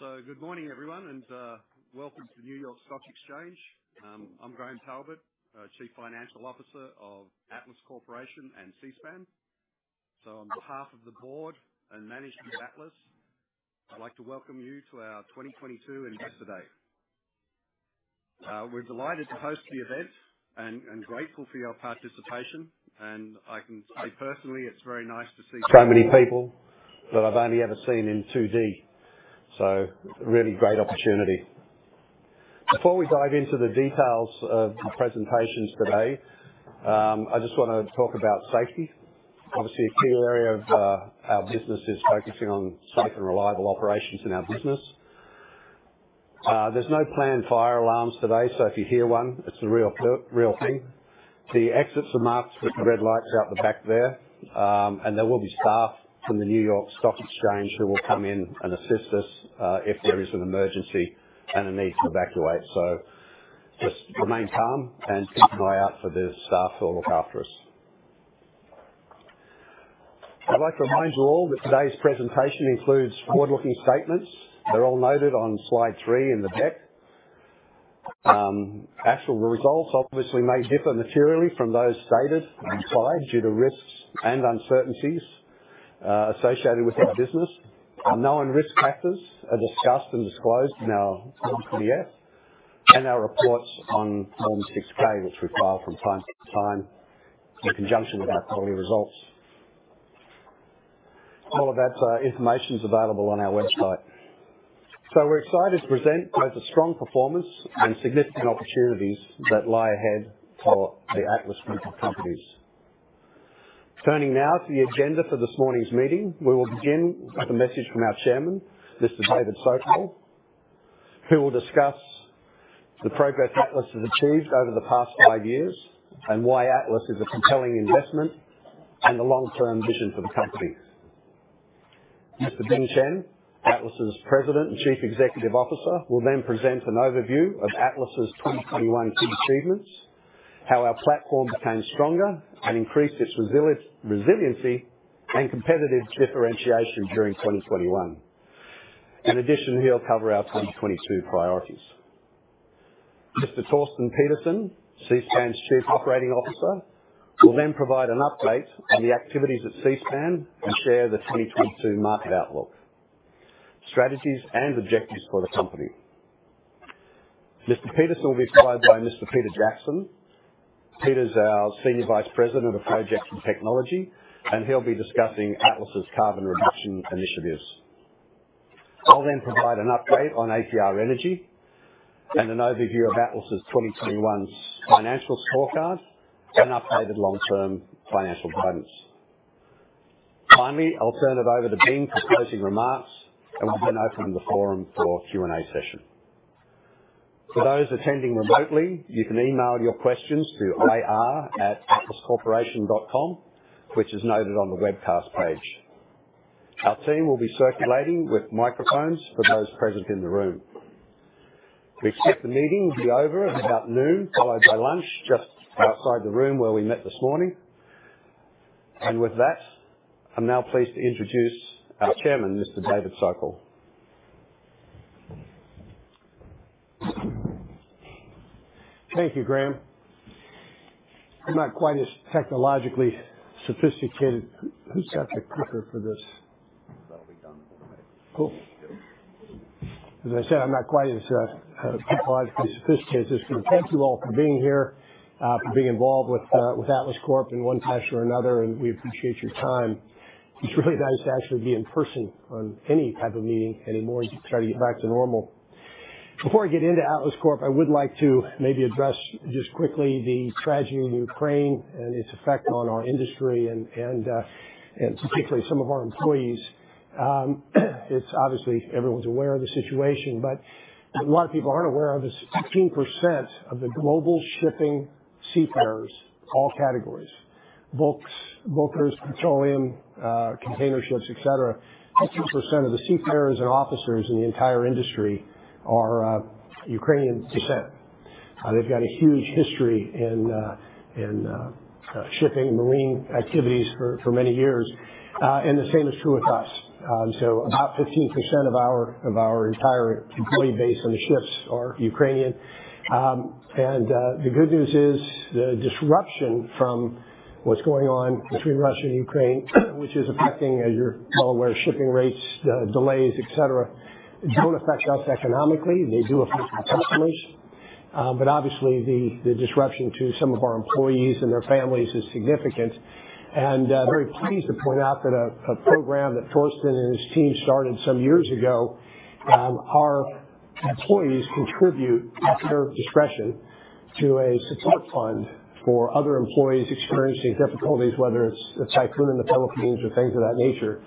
Good morning, everyone, and welcome to New York Stock Exchange. I'm Graham Talbot, Chief Financial Officer of Atlas Corporation and Seaspan. On behalf of the board and management at Atlas, I'd like to welcome you to our 2022 investor day. We're delighted to host the event and grateful for your participation, and I can say personally, it's very nice to see so many people that I've only ever seen in 2D. Really great opportunity. Before we dive into the details of the presentations today, I just wanna talk about safety. Obviously, a key area of our business is focusing on safe and reliable operations in our business. There's no planned fire alarms today, so if you hear one, it's the real thing. The exits are marked with red lights out the back there, and there will be staff from the New York Stock Exchange who will come in and assist us, if there is an emergency and a need to evacuate. Just remain calm and keep an eye out for the staff who will look after us. I'd like to remind you all that today's presentation includes forward-looking statements. They're all noted on slide three in the deck. Actual results obviously may differ materially from those stated on slide due to risks and uncertainties associated with our business. Our known risk factors are discussed and disclosed in our Form 20-F and our reports on Form 6-K, which we file from time to time in conjunction with our quarterly results. All of that information is available on our website. We're excited to present both a strong performance and significant opportunities that lie ahead for the Atlas group of companies. Turning now to the agenda for this morning's meeting. We will begin with a message from our chairman, Mr. David Sokol, who will discuss the progress Atlas has achieved over the past five years and why Atlas is a compelling investment and the long-term vision for the company. Mr. Bing Chen, Atlas' President and Chief Executive Officer, will then present an overview of Atlas' 2021 key achievements, how our platform became stronger and increased its resiliency and competitive differentiation during 2021. In addition, he'll cover our 2022 priorities. Mr. Torsten Pedersen, Seaspan's Chief Operating Officer, will then provide an update on the activities at Seaspan and share the 2022 market outlook, strategies, and objectives for the company. Mr. Pedersen will be followed by Mr. Peter Jackson. Peter's our Senior Vice President of Projects and Technology, and he'll be discussing Atlas' carbon reduction initiatives. I'll then provide an update on APR Energy and an overview of Atlas' 2021 financial scorecard and updated long-term financial guidance. Finally, I'll turn it over to Bing for closing remarks, and we'll then open the forum for Q&A session. For those attending remotely, you can email your questions to ir@atlascorporation.com, which is noted on the webcast page. Our team will be circulating with microphones for those present in the room. We expect the meeting to be over at about noon, followed by lunch just outside the room where we met this morning. With that, I'm now pleased to introduce our chairman, Mr. David Sokol. Thank you, Graham. I'm not quite as technologically sophisticated. Who's got the clicker for this? That'll be done in a minute. Cool. As I said, I'm not quite as technologically sophisticated. Thank you all for being here, for being involved with Atlas Corp in one fashion or another, and we appreciate your time. It's really nice to actually be in person on any type of meeting anymore as you try to get back to normal. Before I get into Atlas Corp, I would like to maybe address just quickly the tragedy in Ukraine and its effect on our industry and particularly some of our employees. It's obviously everyone's aware of the situation, but what a lot of people aren't aware of is 16% of the global shipping seafarers, all categories, bulk, bulkers, petroleum, container ships, et cetera, 15% of the seafarers and officers in the entire industry are Ukrainian descent. They've got a huge history in shipping and marine activities for many years, and the same is true with us. About 15% of our entire employee base on the ships are Ukrainian. The good news is the disruption from what's going on between Russia and Ukraine, which is affecting, as you're well aware, shipping rates, delays, et cetera. It don't affect us economically. They do affect our customers. Obviously the disruption to some of our employees and their families is significant. Very pleased to point out that a program that Torsten and his team started some years ago, our employees contribute at their discretion to a support fund for other employees experiencing difficulties, whether it's a typhoon in the Philippines or things of that nature.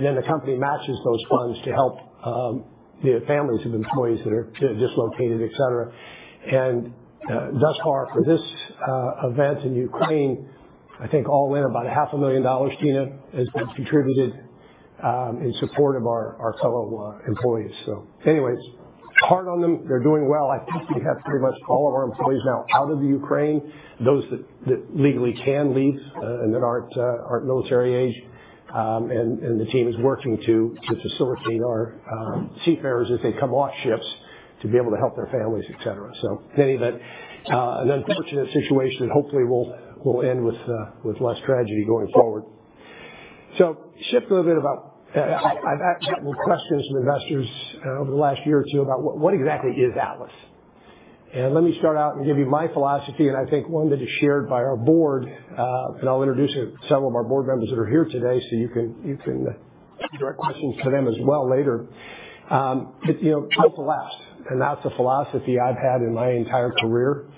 Then the company matches those funds to help the families of employees that are dislocated, et cetera. Thus far for this event in Ukraine, I think all in about $500,000 has been contributed in support of our fellow employees. Anyways. Hard on them. They're doing well. I think we have pretty much all of our employees now out of the Ukraine, those that legally can leave and that aren't military age. The team is working to facilitate our seafarers as they come off ships to be able to help their families, et cetera. Anyway, but an unfortunate situation that hopefully will end with less tragedy going forward. Shift a little bit about, I've had several questions from investors over the last year or two about what exactly is Atlas? Let me start out and give you my philosophy, and I think one that is shared by our board, and I'll introduce some of our board members that are here today, so you can direct questions to them as well later. You know, built to last, and that's the philosophy I've had in my entire career.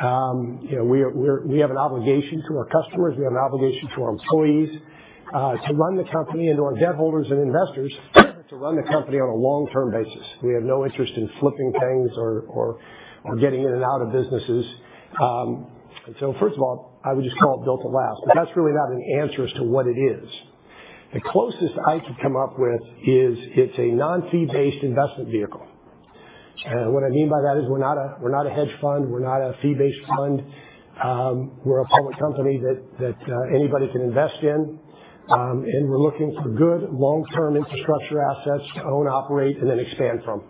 You know, we have an obligation to our customers. We have an obligation to our employees, to run the company and to our debt holders and investors to run the company on a long-term basis. We have no interest in flipping things or getting in and out of businesses. First of all, I would just call it built to last. That's really not an answer as to what it is. The closest I could come up with is it's a non-fee-based investment vehicle. What I mean by that is we're not a hedge fund. We're not a fee-based fund. We're a public company that anybody can invest in. We're looking for good long-term infrastructure assets to own, operate, and then expand from.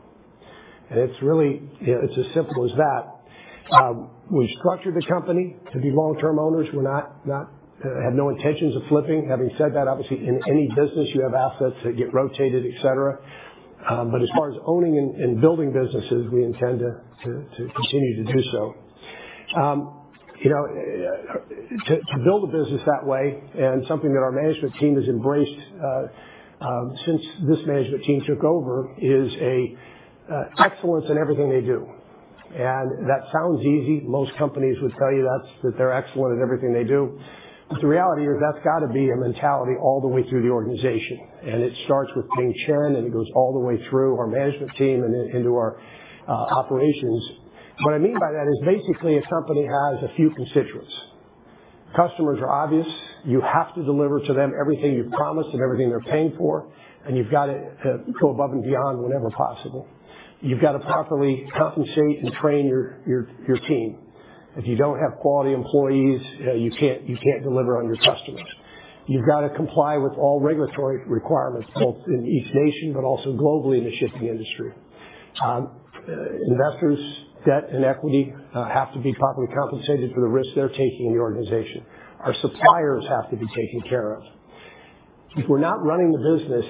It's really as simple as that. We structured the company to be long-term owners. We have no intentions of flipping. Having said that, obviously, in any business, you have assets that get rotated, et cetera. As far as owning and building businesses, we intend to continue to do so. You know, to build a business that way and something that our management team has embraced since this management team took over is excellence in everything they do. That sounds easy. Most companies would tell you that they're excellent at everything they do. The reality is that's got to be a mentality all the way through the organization. It starts with Bing Chen, and it goes all the way through our management team and then into our operations. What I mean by that is basically a company has a few constituents. Customers are obvious. You have to deliver to them everything you've promised and everything they're paying for, and you've got to go above and beyond whenever possible. You've got to properly compensate and train your team. If you don't have quality employees, you can't deliver on your customers. You've got to comply with all regulatory requirements, both in each nation but also globally in the shipping industry. Investors, debt, and equity have to be properly compensated for the risk they're taking in the organization. Our suppliers have to be taken care of. If we're not running the business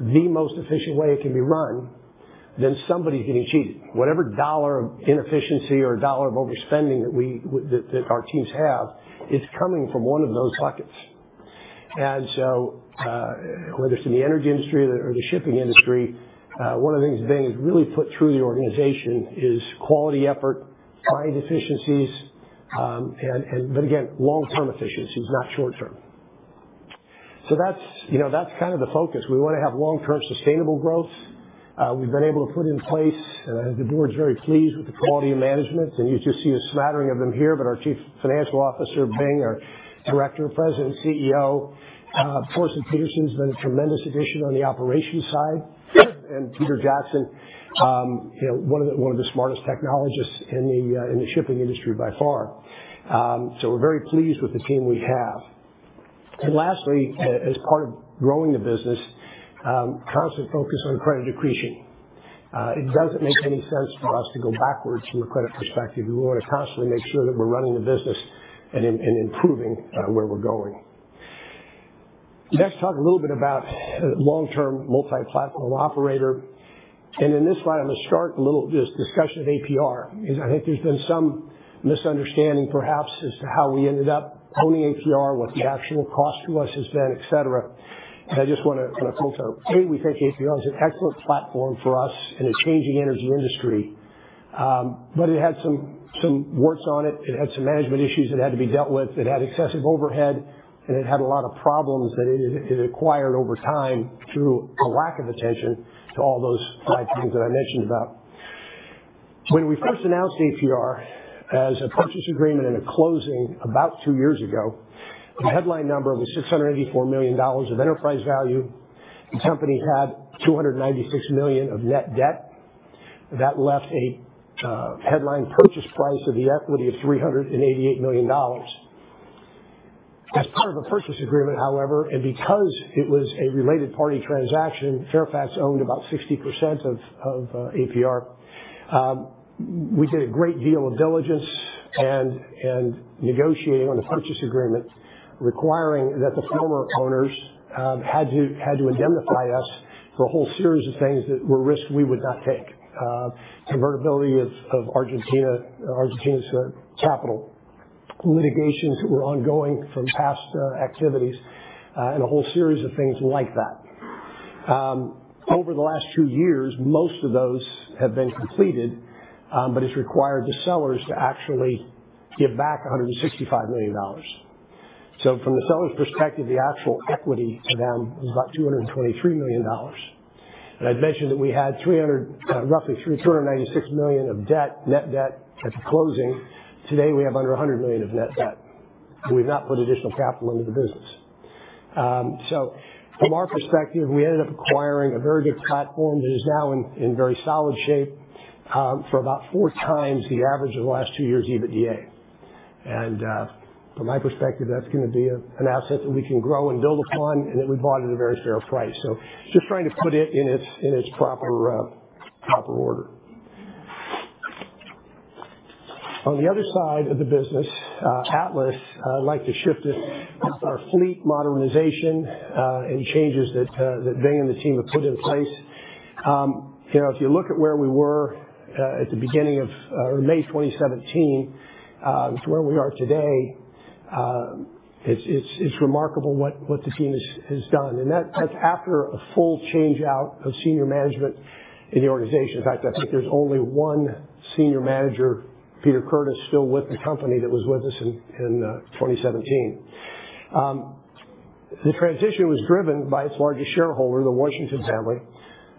the most efficient way it can be run, then somebody's getting cheated. Whatever dollar of inefficiency or dollar of overspending that our teams have is coming from one of those buckets. Whether it's in the energy industry or the shipping industry, one of the things Bing has really put through the organization is quality effort, find efficiencies, and but again, long-term efficiencies, not short-term. That's, you know, that's kind of the focus. We want to have long-term sustainable growth. We've been able to put in place. The board's very pleased with the quality of management, and you just see a smattering of them here. Our Chief Financial Officer, Bing, our Director, President, CEO. Torsten Pedersen's been a tremendous addition on the operations side. Peter Jackson, you know, one of the smartest technologists in the shipping industry by far. We're very pleased with the team we have. Lastly, as part of growing the business, constant focus on credit accretion. It doesn't make any sense for us to go backwards from a credit perspective. We want to constantly make sure that we're running the business and improving where we're going. Next, talk a little bit about long-term multi-platform operator. In this slide, I'm gonna start a little discussion of APR. 'Cause I think there's been some misunderstanding perhaps as to how we ended up owning APR, what the actual cost to us has been, et cetera. I just wanna kind of point out, A, we think APR is an excellent platform for us in a changing energy industry. But it had some warts on it. It had some management issues that had to be dealt with. It had excessive overhead, and it had a lot of problems that it acquired over time through a lack of attention to all those five things that I mentioned about. When we first announced APR as a purchase agreement and a closing about two years ago, the headline number was $684 million of enterprise value. The company had $296 million of net debt. That left a headline purchase price of the equity of $388 million. As part of a purchase agreement, however, and because it was a related party transaction, Fairfax owned about 60% of APR. We did a great deal of diligence and negotiating on the purchase agreement, requiring that the former owners had to indemnify us for a whole series of things that were risks we would not take, convertibility of Argentina's capital, litigations that were ongoing from past activities, and a whole series of things like that. Over the last two years, most of those have been completed, but it's required the sellers to actually give back $165 million. From the seller's perspective, the actual equity to them was about $223 million. I'd mentioned that we had three hundred, roughly $396 million of debt, net debt at the closing. Today, we have under $100 million of net debt, and we've not put additional capital into the business. From our perspective, we ended up acquiring a very good platform that is now in very solid shape, for about 4x the average of the last two years EBITDA. From my perspective, that's gonna be an asset that we can grow and build upon, and that we bought at a very fair price. Just trying to put it in its proper order. On the other side of the business, Atlas, I'd like to shift it to our fleet modernization and changes that Bing and the team have put in place. You know, if you look at where we were at the beginning of May 2017 to where we are today, it's remarkable what the team has done. That's after a full change-out of senior management in the organization. In fact, I think there's only one senior manager, Peter Curtis, still with the company that was with us in 2017. The transition was driven by its largest shareholder, the Washington Family,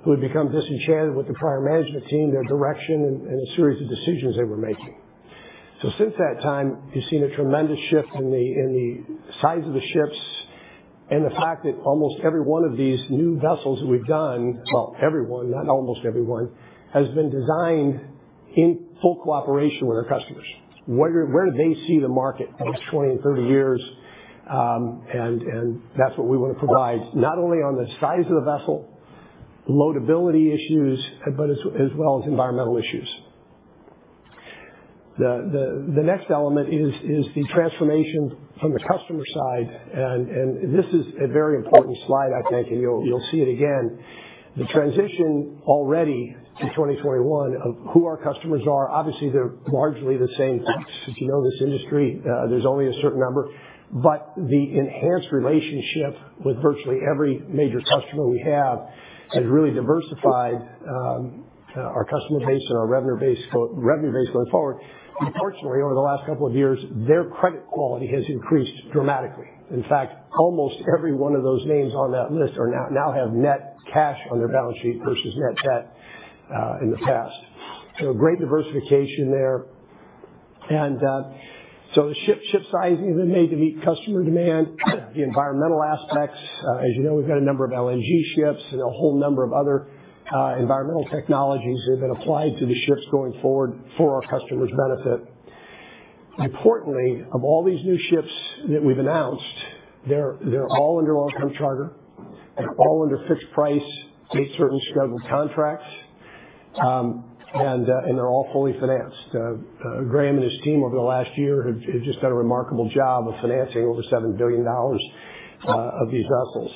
who had become disenchanted with the prior management team, their direction, and the series of decisions they were making. Since that time, you've seen a tremendous shift in the size of the ships and the fact that every one of these new vessels that we've done has been designed in full cooperation with our customers. Where they see the market in 20-30 years, and that's what we wanna provide, not only on the size of the vessel, loadability issues, but as well as environmental issues. The next element is the transformation from the customer side. This is a very important slide, I think, and you'll see it again. The transition already to 2021 of who our customers are. Obviously, they're largely the same folks. As you know, this industry, there's only a certain number. The enhanced relationship with virtually every major customer we have has really diversified our customer base and our revenue base going forward. Importantly, over the last couple of years, their credit quality has increased dramatically. In fact, almost every one of those names on that list now have net cash on their balance sheet versus net debt in the past. Great diversification there. The ship sizing has been made to meet customer demand. The environmental aspects, as you know, we've got a number of LNG ships and a whole number of other environmental technologies that have been applied to the ships going forward for our customers' benefit. Importantly, of all these new ships that we've announced, they're all under long-term charter. They're all under fixed price, date-certain scheduled contracts. They're all fully financed. Graham and his team over the last year have just done a remarkable job of financing over $7 billion of these vessels.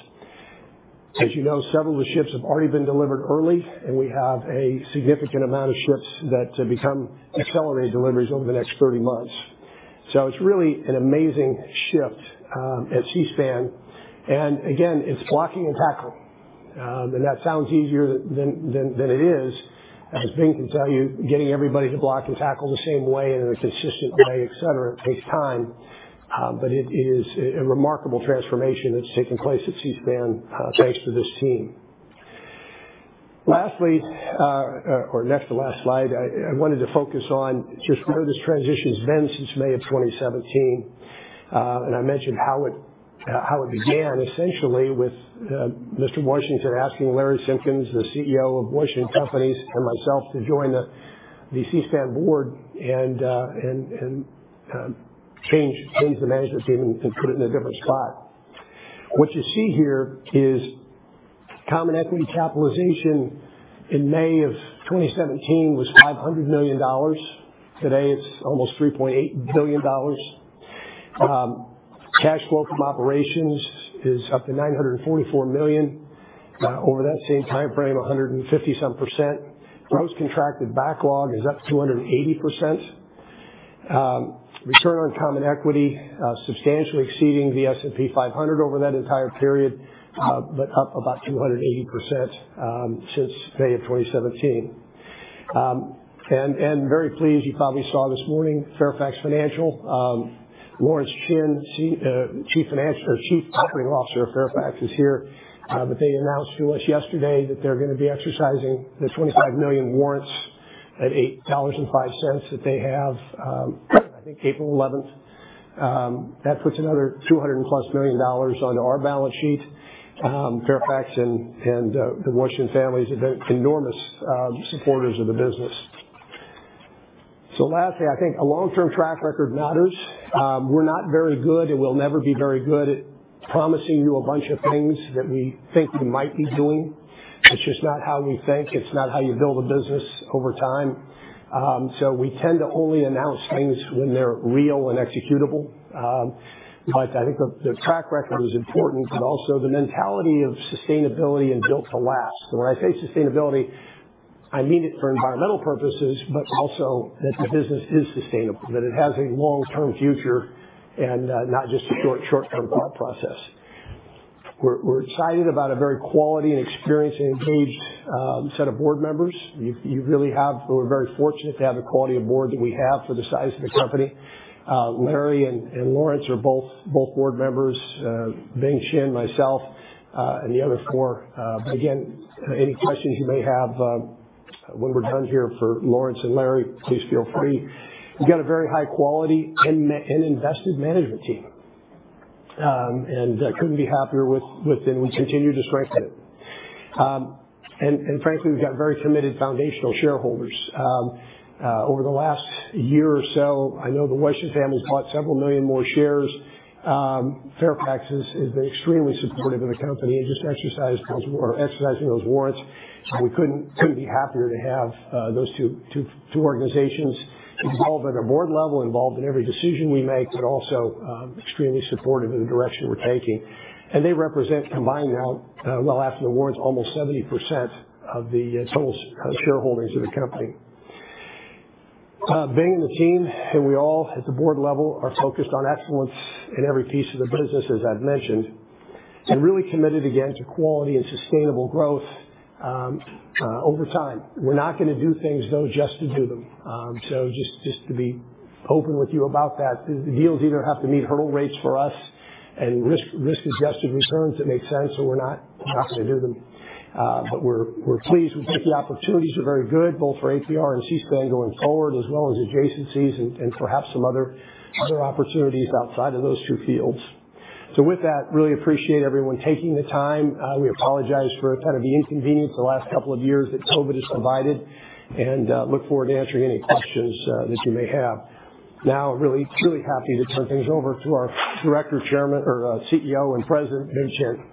As you know, several of the ships have already been delivered early, and we have a significant amount of ships that become accelerated deliveries over the next 30 months. It's really an amazing shift at Seaspan. Again, it's blocking and tackling. That sounds easier than it is. As Bing can tell you, getting everybody to block and tackle the same way and in a consistent way, et cetera, takes time. It is a remarkable transformation that's taken place at Seaspan, thanks to this team. Lastly, or next to last slide, I wanted to focus on just where this transition's been since May 2017. I mentioned how it began essentially with Mr. Washington asking Larry Simkins, the CEO of The Washington Companies, and myself to join the Seaspan board and change the management team and put it in a different spot. What you see here is common equity capitalization in May 2017 was $500 million. Today, it's almost $3.8 billion. Cash flow from operations is up to $944 million. Over that same timeframe, 150-some%. Gross contracted backlog is up 280%. Return on common equity substantially exceeding the S&P 500 over that entire period, but up about 280% since May of 2017. Very pleased, you probably saw this morning, Fairfax Financial. Lawrence Chin, Chief Operating Officer of Fairfax, is here. But they announced to us yesterday that they're gonna be exercising the 25 million warrants at $8.05 that they have, I think April eleventh. That puts another $200+ million onto our balance sheet. Fairfax and the Washington families have been enormous supporters of the business. Lastly, I think a long-term track record matters. We're not very good, and we'll never be very good at promising you a bunch of things that we think we might be doing. It's just not how we think. It's not how you build a business over time. So we tend to only announce things when they're real and executable. But I think the track record is important, but also the mentality of sustainability and built to last. When I say sustainability, I mean it for environmental purposes, but also that the business is sustainable, that it has a long-term future and not just a short-term thought process. We're excited about a very quality and experienced and engaged set of board members. You really have. We're very fortunate to have the quality of board that we have for the size of the company. Larry and Lawrence are both board members. Bing Chen, myself, and the other core. Again, any questions you may have, when we're done here for Lawrence and Larry, please feel free. We've got a very high quality and invested management team. I couldn't be happier with them. We continue to strengthen it. Frankly, we've got very committed foundational shareholders. Over the last year or so, I know the Washington family bought several million more shares. Fairfax has been extremely supportive of the company and just exercised or exercising those warrants. We couldn't be happier to have those two organizations involved at our board level, involved in every decision we make, but also extremely supportive of the direction we're taking. They represent combined now, after the awards, almost 70% of the total shareholders of the company. Bing and the team, and we all at the board level are focused on excellence in every piece of the business, as I've mentioned, and really committed again to quality and sustainable growth over time. We're not gonna do things though just to do them. Just to be open with you about that. The deals either have to meet hurdle rates for us and risk-adjusted returns that make sense, or we're not gonna do them. We're pleased [that] the opportunities are very good both for APR and Seaspan going forward as well as adjacencies and perhaps some other opportunities outside of those two fields. With that, I really appreciate everyone taking the time. We apologize for kind of the inconvenience the last couple of years that COVID has provided and look forward to answering any questions that you may have. Now, really happy to turn things over to our Director, Chairman or CEO and President, Bing Chen.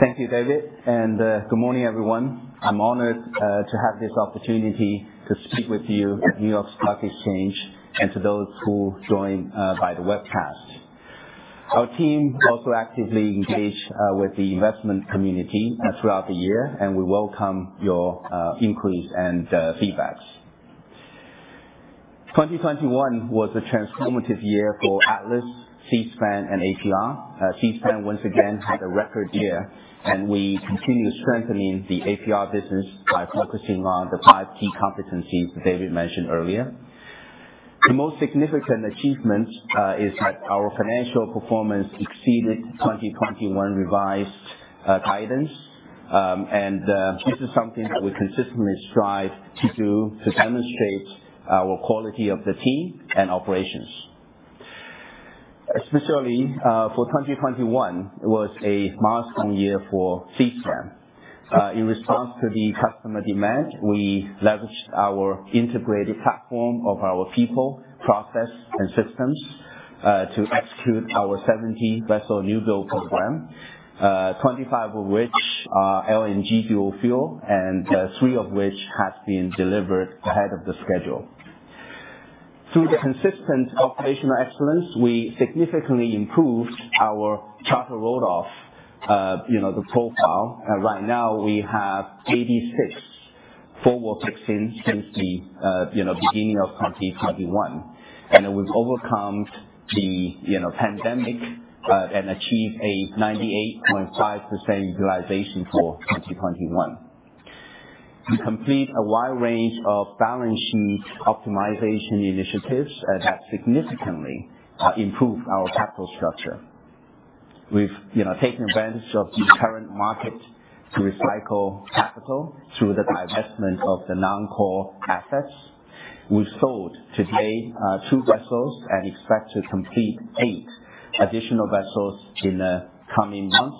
Thank you, David, and good morning, everyone. I'm honored to have this opportunity to speak with you at New York Stock Exchange and to those who join by the webcast. Our team also actively engage with the investment community throughout the year, and we welcome your inquiries and feedbacks. 2021 was a transformative year for Atlas, Seaspan, and APR. Seaspan once again had a record year, and we continue strengthening the APR business by focusing on the five key competencies that David mentioned earlier. The most significant achievement is that our financial performance exceeded 2021 revised guidance. This is something that we consistently strive to do to demonstrate our quality of the team and operations. Especially for 2021, it was a milestone year for Seaspan. In response to the customer demand, we leveraged our integrated platform of our people, process, and systems to execute our 17-vessel newbuild program, 25 of which are LNG dual fuel, and three of which has been delivered ahead of the schedule. Through the consistent operational excellence, we significantly improved our charter backlog, you know, the profile. Right now, we have 86 full fixings since the beginning of 2021. We've overcome the pandemic and achieved a 98.5% utilization for 2021. We complete a wide range of balance sheet optimization initiatives that have significantly improved our capital structure. We've taken advantage of the current market to recycle capital through the divestment of the non-core assets. We sold to date two vessels and expect to complete eight additional vessels in the coming months,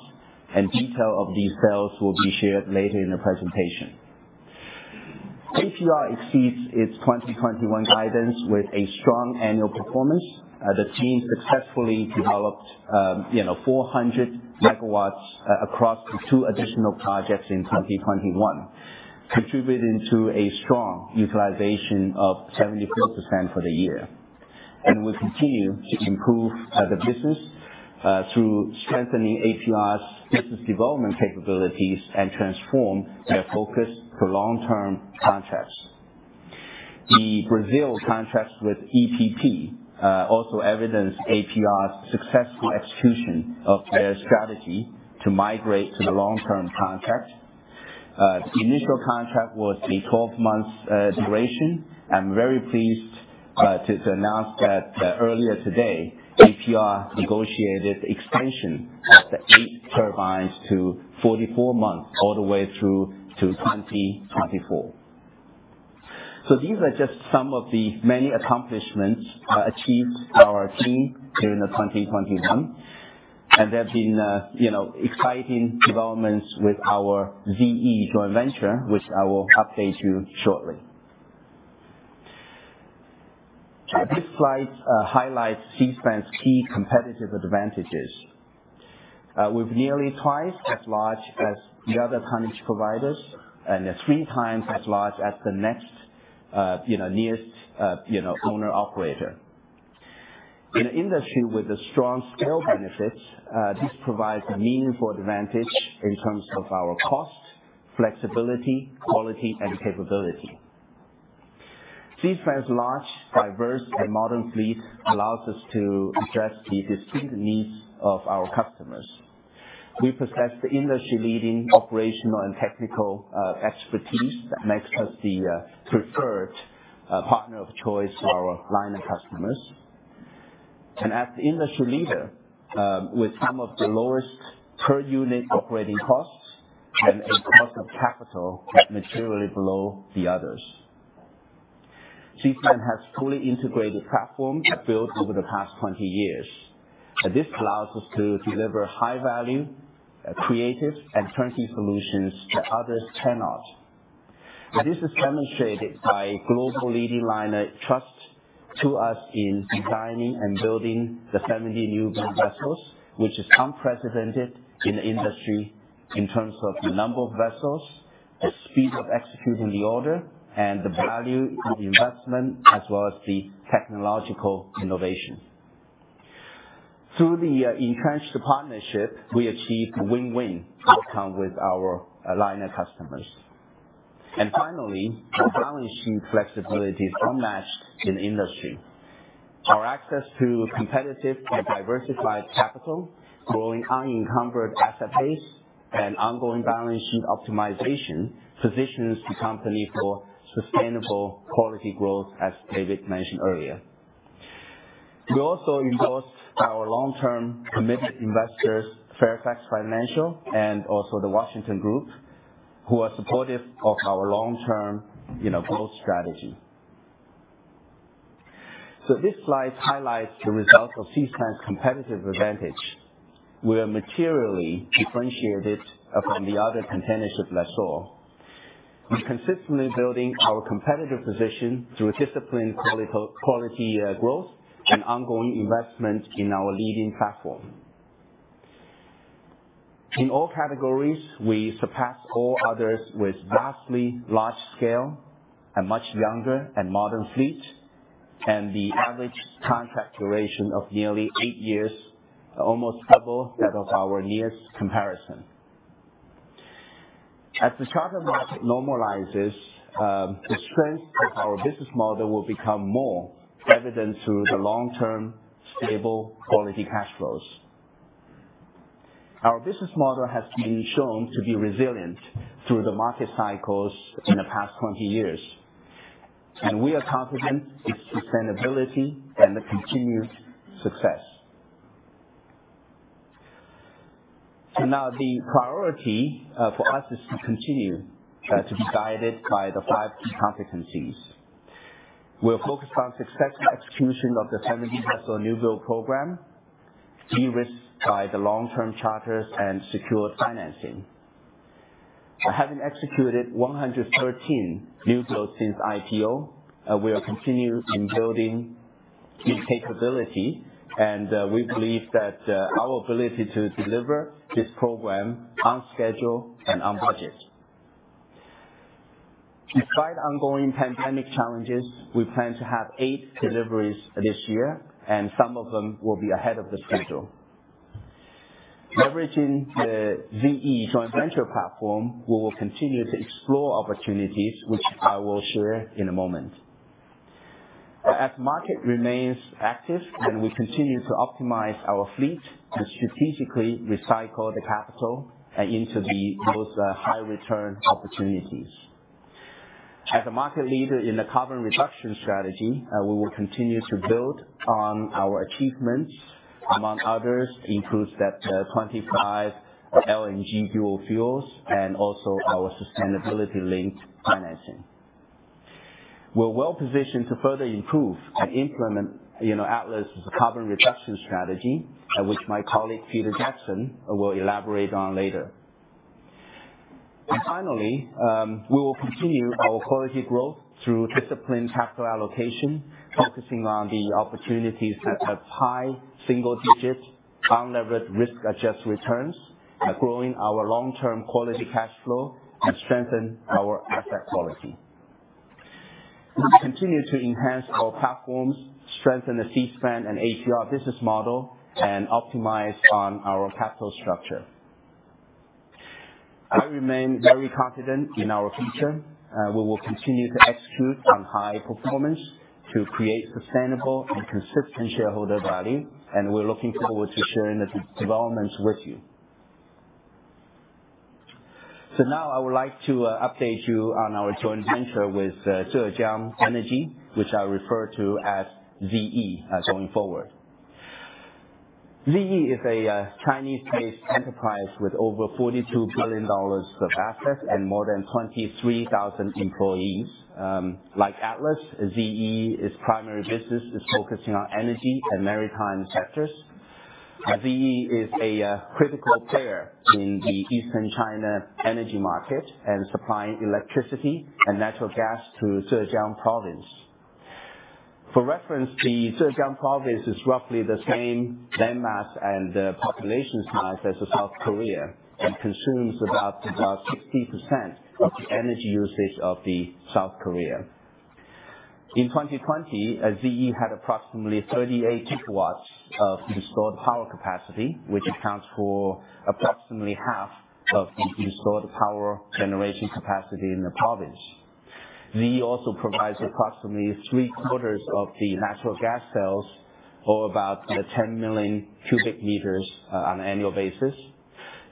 and detail of these sales will be shared later in the presentation. APR exceeds its 2021 guidance with a strong annual performance. The team successfully developed 400 MW across the two additional projects in 2021, contributing to a strong utilization of 74% for the year. We continue to improve the business through strengthening APR's business development capabilities and transform their focus to long-term contracts. The Brazil contracts with EPE also evidenced APR's successful execution of their strategy to migrate to the long-term contract. The initial contract was a 12-month duration. I'm very pleased to announce that earlier today, APR negotiated extension of the eight turbines to 44 months, all the way through to 2024. These are just some of the many accomplishments achieved by our team during 2021. There have been, you know, exciting developments with our ZE joint venture, which I will update you shortly. This slide highlights Seaspan's key competitive advantages. We're nearly twice as large as the other tonnage providers, and they're three times as large as the next, you know, nearest, you know, owner/operator. In an industry with a strong scale benefits, this provides a meaningful advantage in terms of our cost, flexibility, quality, and capability. Seaspan's large, diverse, and modern fleet allows us to address the distinct needs of our customers. We possess the industry-leading operational and technical expertise that makes us the preferred partner of choice to our liner customers. As the industry leader, with some of the lowest per unit operating costs and a cost of capital that's materially below the others. Seaspan has fully integrated platforms that built over the past 20 years. This allows us to deliver high value, creative, and turnkey solutions that others cannot. This is demonstrated by global leading liner trust to us in designing and building the 70 newbuild vessels, which is unprecedented in the industry in terms of the number of vessels, the speed of executing the order, and the value for the investment, as well as the technological innovation. Through the entrenched partnership, we achieve win-win outcome with our liner customers. Finally, our balance sheet flexibility is unmatched in the industry. Our access to competitive and diversified capital, growing unencumbered asset base, and ongoing balance sheet optimization positions the company for sustainable quality growth, as David mentioned earlier. We also endorse our long-term committed investors, Fairfax Financial, and also the Washington Group, who are supportive of our long-term, you know, growth strategy. This slide highlights the results of Seaspan's competitive advantage. We are materially differentiated from the other container ship lessors. We're consistently building our competitive position through a disciplined quality growth and ongoing investment in our leading platform. In all categories, we surpass all others with vastly large scale and much younger and modern fleet, and the average contract duration of nearly eight years, almost double that of our nearest comparison. As the charter market normalizes, the strength of our business model will become more evident through the long-term, stable, quality cash flows. Our business model has been shown to be resilient through the market cycles in the past 20 years, and we are confident its sustainability and the continued success. Now the priority for us is to continue to be guided by the five key competencies. We're focused on successful execution of the 70-vessel newbuild program, de-risked by the long-term charters and secured financing. By having executed 113 newbuilds since IPO, we are continuing in building the capability, and we believe that our ability to deliver this program on schedule and on budget. Despite ongoing pandemic challenges, we plan to have eight deliveries this year, and some of them will be ahead of the schedule. Leveraging the ZE joint venture platform, we will continue to explore opportunities, which I will share in a moment. As market remains active and we continue to optimize our fleet to strategically recycle the capital into the most high return opportunities. As a market leader in the carbon reduction strategy, we will continue to build on our achievements. Among others, includes that 25 LNG dual fuels and also our sustainability-linked financing. We're well-positioned to further improve and implement, you know, Atlas' carbon reduction strategy, which my colleague, Peter Jackson, will elaborate on later. Finally, we will continue our quality growth through disciplined capital allocation, focusing on the opportunities that have high single digits, unlevered risk-adjusted returns, growing our long-term quality cash flow, and strengthen our asset quality. We continue to enhance our platforms, strengthen the Seaspan and APR business model, and optimize on our capital structure. I remain very confident in our future, we will continue to execute on high performance to create sustainable and consistent shareholder value, and we're looking forward to sharing the developments with you. Now I would like to update you on our joint venture with Zhejiang Energy, which I'll refer to as ZE going forward. ZE is a Chinese-based enterprise with over $42 billion of assets and more than 23,000 employees. Like Atlas, ZE's primary business is focusing on energy and maritime sectors. ZE is a critical player in the Eastern China energy market and supplying electricity and natural gas to Zhejiang Province. For reference, the Zhejiang Province is roughly the same land mass and population size as South Korea, and consumes about 60% of the energy usage of South Korea. In 2020, ZE had approximately 38 gigawatts of installed power capacity, which accounts for approximately half of the installed power generation capacity in the province. ZE also provides approximately three-quarters of the natural gas sales for about 10 million cubic meters on annual basis.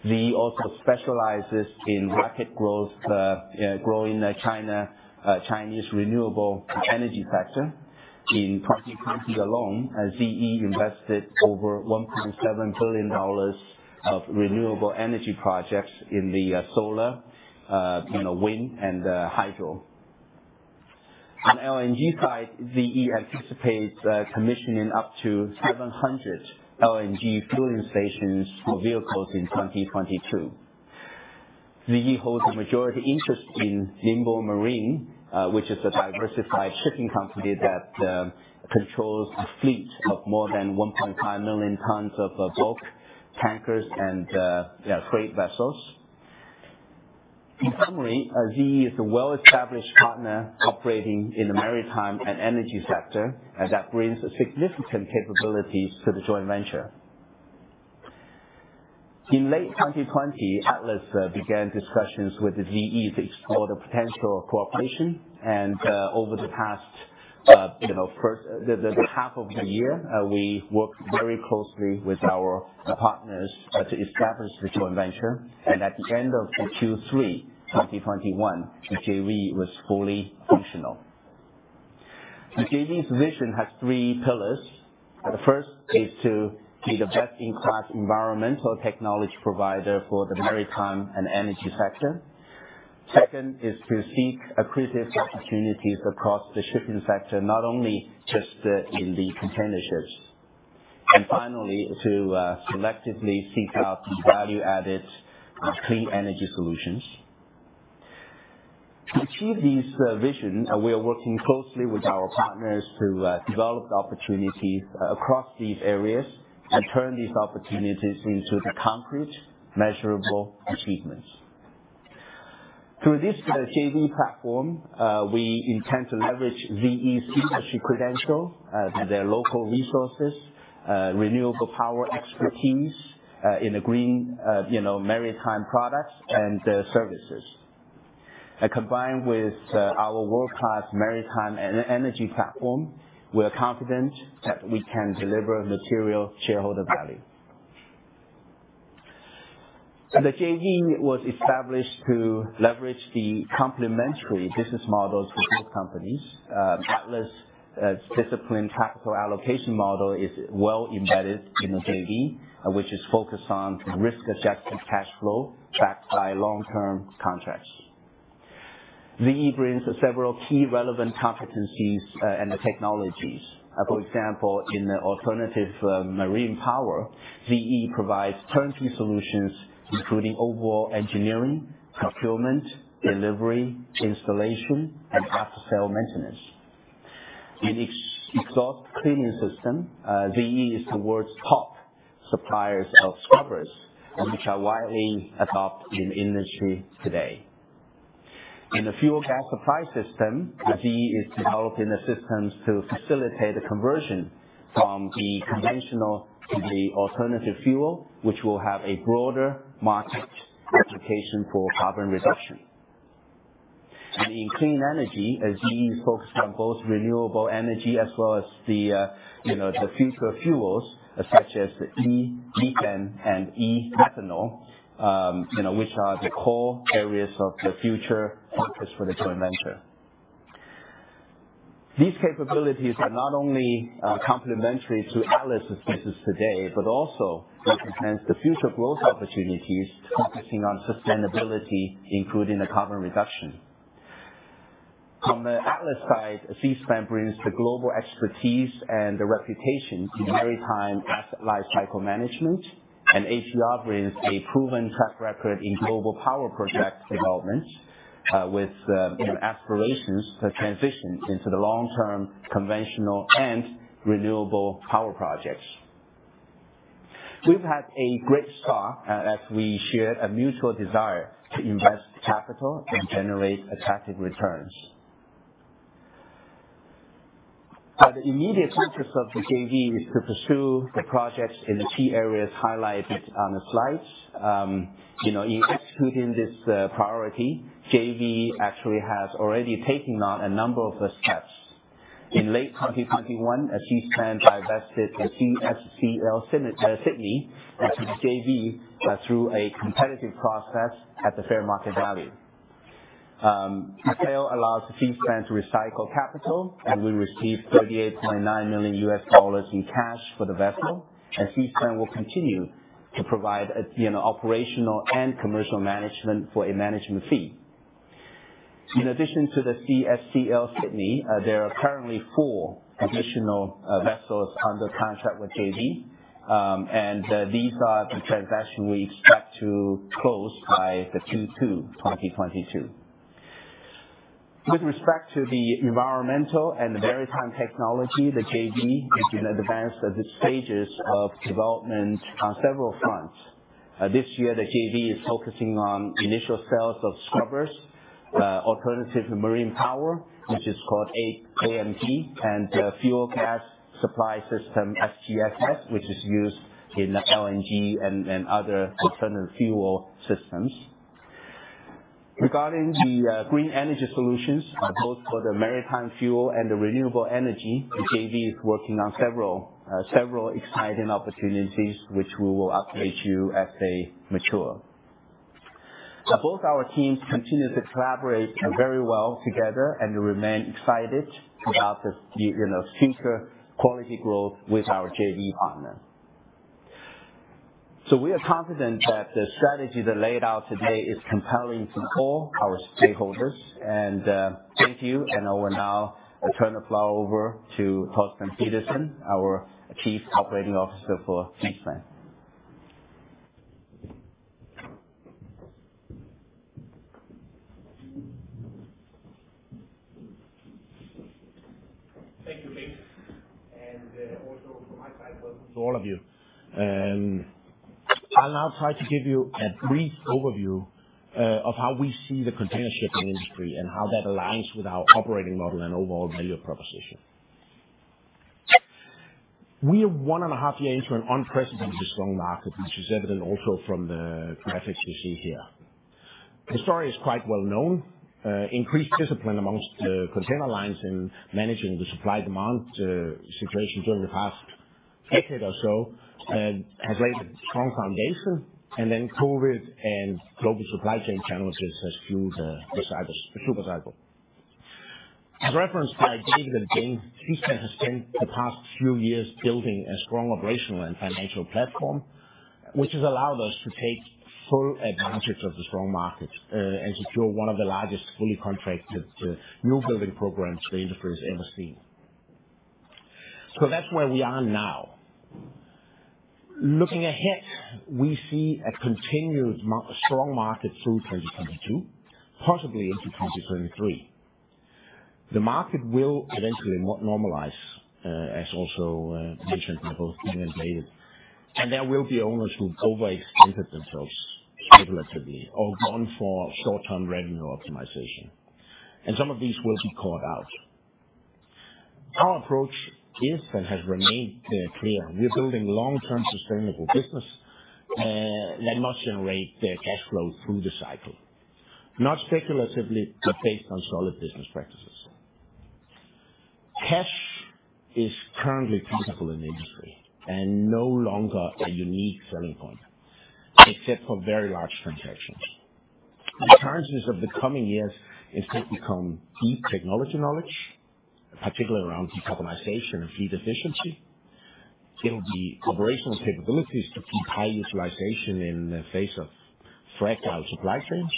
ZE also specializes in rapid growth, growing the Chinese renewable energy sector. In 2020 alone, ZE invested over $1.7 billion in the solar, you know, wind and hydro. On LNG side, ZE anticipates commissioning up to 700 LNG fueling stations for vehicles in 2022. ZE holds a majority interest in Ningbo Marine, which is a diversified shipping company that controls a fleet of more than 1.5 million tons of bulk tankers and freight vessels. In summary, ZE is a well-established partner operating in the maritime and energy sector, and that brings significant capabilities to the joint venture. In late 2020, Atlas began discussions with the ZE to explore the potential cooperation. Over the past, you know, first half of the year, we worked very closely with our partners to establish the joint venture. At the end of Q3 2021, the JV was fully functional. The JV's vision has three pillars. The first is to be the best-in-class environmental technology provider for the maritime and energy sector. Second is to seek accretive opportunities across the shipping sector, not only just in the container ships. Finally, to selectively seek out value-added clean energy solutions. To achieve this vision, we are working closely with our partners to develop the opportunities across these areas and turn these opportunities into concrete, measurable achievements. Through this JV platform, we intend to leverage ZE's industry credentials, their local resources, renewable power expertise, in the green, you know, maritime products and services. Combined with our world-class maritime energy platform, we're confident that we can deliver material shareholder value. The JV was established to leverage the complementary business models for both companies. Atlas' disciplined capital allocation model is well embedded in the JV, which is focused on risk-adjusted cash flow backed by long-term contracts. ZE brings several key relevant competencies and the technologies. For example, in the alternative marine power, ZE provides turnkey solutions, including overall engineering, procurement, delivery, installation, and after-sale maintenance. In exhaust cleaning system, ZE is the world's top suppliers of scrubbers, which are widely adopted in the industry today. In the fuel gas supply system, ZE is developing the systems to facilitate the conversion from the conventional to the alternative fuel, which will have a broader market application for carbon reduction. In clean energy, ZE is focused on both renewable energy as well as the future fuels such as e-methane and e-methanol, which are the core areas of the future focus for the joint venture. These capabilities are not only complementary to Atlas' business today, but also represents the future growth opportunities focusing on sustainability, including the carbon reduction. On the Atlas side, Seaspan brings the global expertise and the reputation in maritime asset lifecycle management, and HEA brings a proven track record in global power project development, with, you know, aspirations to transition into the long-term conventional and renewable power projects. We've had a great start, as we shared a mutual desire to invest capital and generate attractive returns. The immediate focus of the JV is to pursue the projects in the key areas highlighted on the slides. You know, in executing this priority, JV actually has already taken on a number of steps. In late 2021, Seaspan divested the CSCL Sydney into the JV, through a competitive process at the fair market value. The sale allows Seaspan to recycle capital, and we received $38.9 million in cash for the vessel. Seaspan will continue to provide, you know, operational and commercial management for a management fee. In addition to the CSCL Sydney, there are currently four additional vessels under contract with JV. These are the transaction we expect to close by Q2 2022. With respect to the environmental and the maritime technology, the JV has advanced in the stages of development on several fronts. This year, the JV is focusing on initial sales of scrubbers, alternative maritime power, which is called AMP, and fuel gas supply system, FGSS, which is used in LNG and other alternative fuel systems. Regarding the green energy solutions, both for the maritime fuel and the renewable energy, the JV is working on several exciting opportunities which we will update you as they mature. Now, both our teams continue to collaborate very well together and remain excited about this, you know, future quality growth with our JV partner. We are confident that the strategy that laid out today is compelling to all our stakeholders. Thank you, and I will now turn the floor over to Torsten Pedersen, our Chief Operating Officer for Seaspan. Thank you, Bing. Also from my side, welcome to all of you. I'll now try to give you a brief overview of how we see the container shipping industry and how that aligns with our operating model and overall value proposition. We are 1.5 years into an unprecedented strong market, which is evident also from the graphics you see here. The story is quite well-known. Increased discipline among the container lines in managing the supply-demand situation during the past decade or so has laid a strong foundation, and then COVID and global supply chain challenges has fueled the cycle, the super cycle. As referenced by David and Bing, Seaspan has spent the past few years building a strong operational and financial platform, which has allowed us to take full advantage of the strong market and secure one of the largest fully contracted new building programs the industry has ever seen. That's where we are now. Looking ahead, we see a continuous strong market through 2022, possibly into 2023. The market will eventually normalize, as also mentioned by both David and Bing. There will be owners who overextended themselves speculatively or gone for short-term revenue optimization, and some of these will be caught out. Our approach is and has remained clear. We are building long-term sustainable business that must generate the cash flow through the cycle. Not speculatively, but based on solid business practices. Cash is currently plentiful in the industry and no longer a unique selling point, except for very large transactions. The challenges of the coming years is to become deep technology knowledge, particularly around decarbonization and fleet efficiency. It'll be operational capabilities to keep high utilization in the face of fragile supply chains,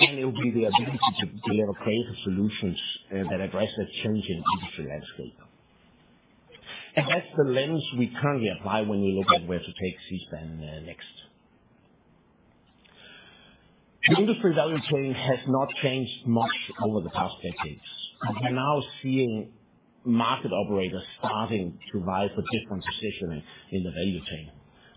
and it will be the ability to deliver creative solutions that address the changing industry landscape. That's the lens we currently apply when we look at where to take Seaspan next. The industry value chain has not changed much over the past decades. We are now seeing market operators starting to vie for different positioning in the value chain,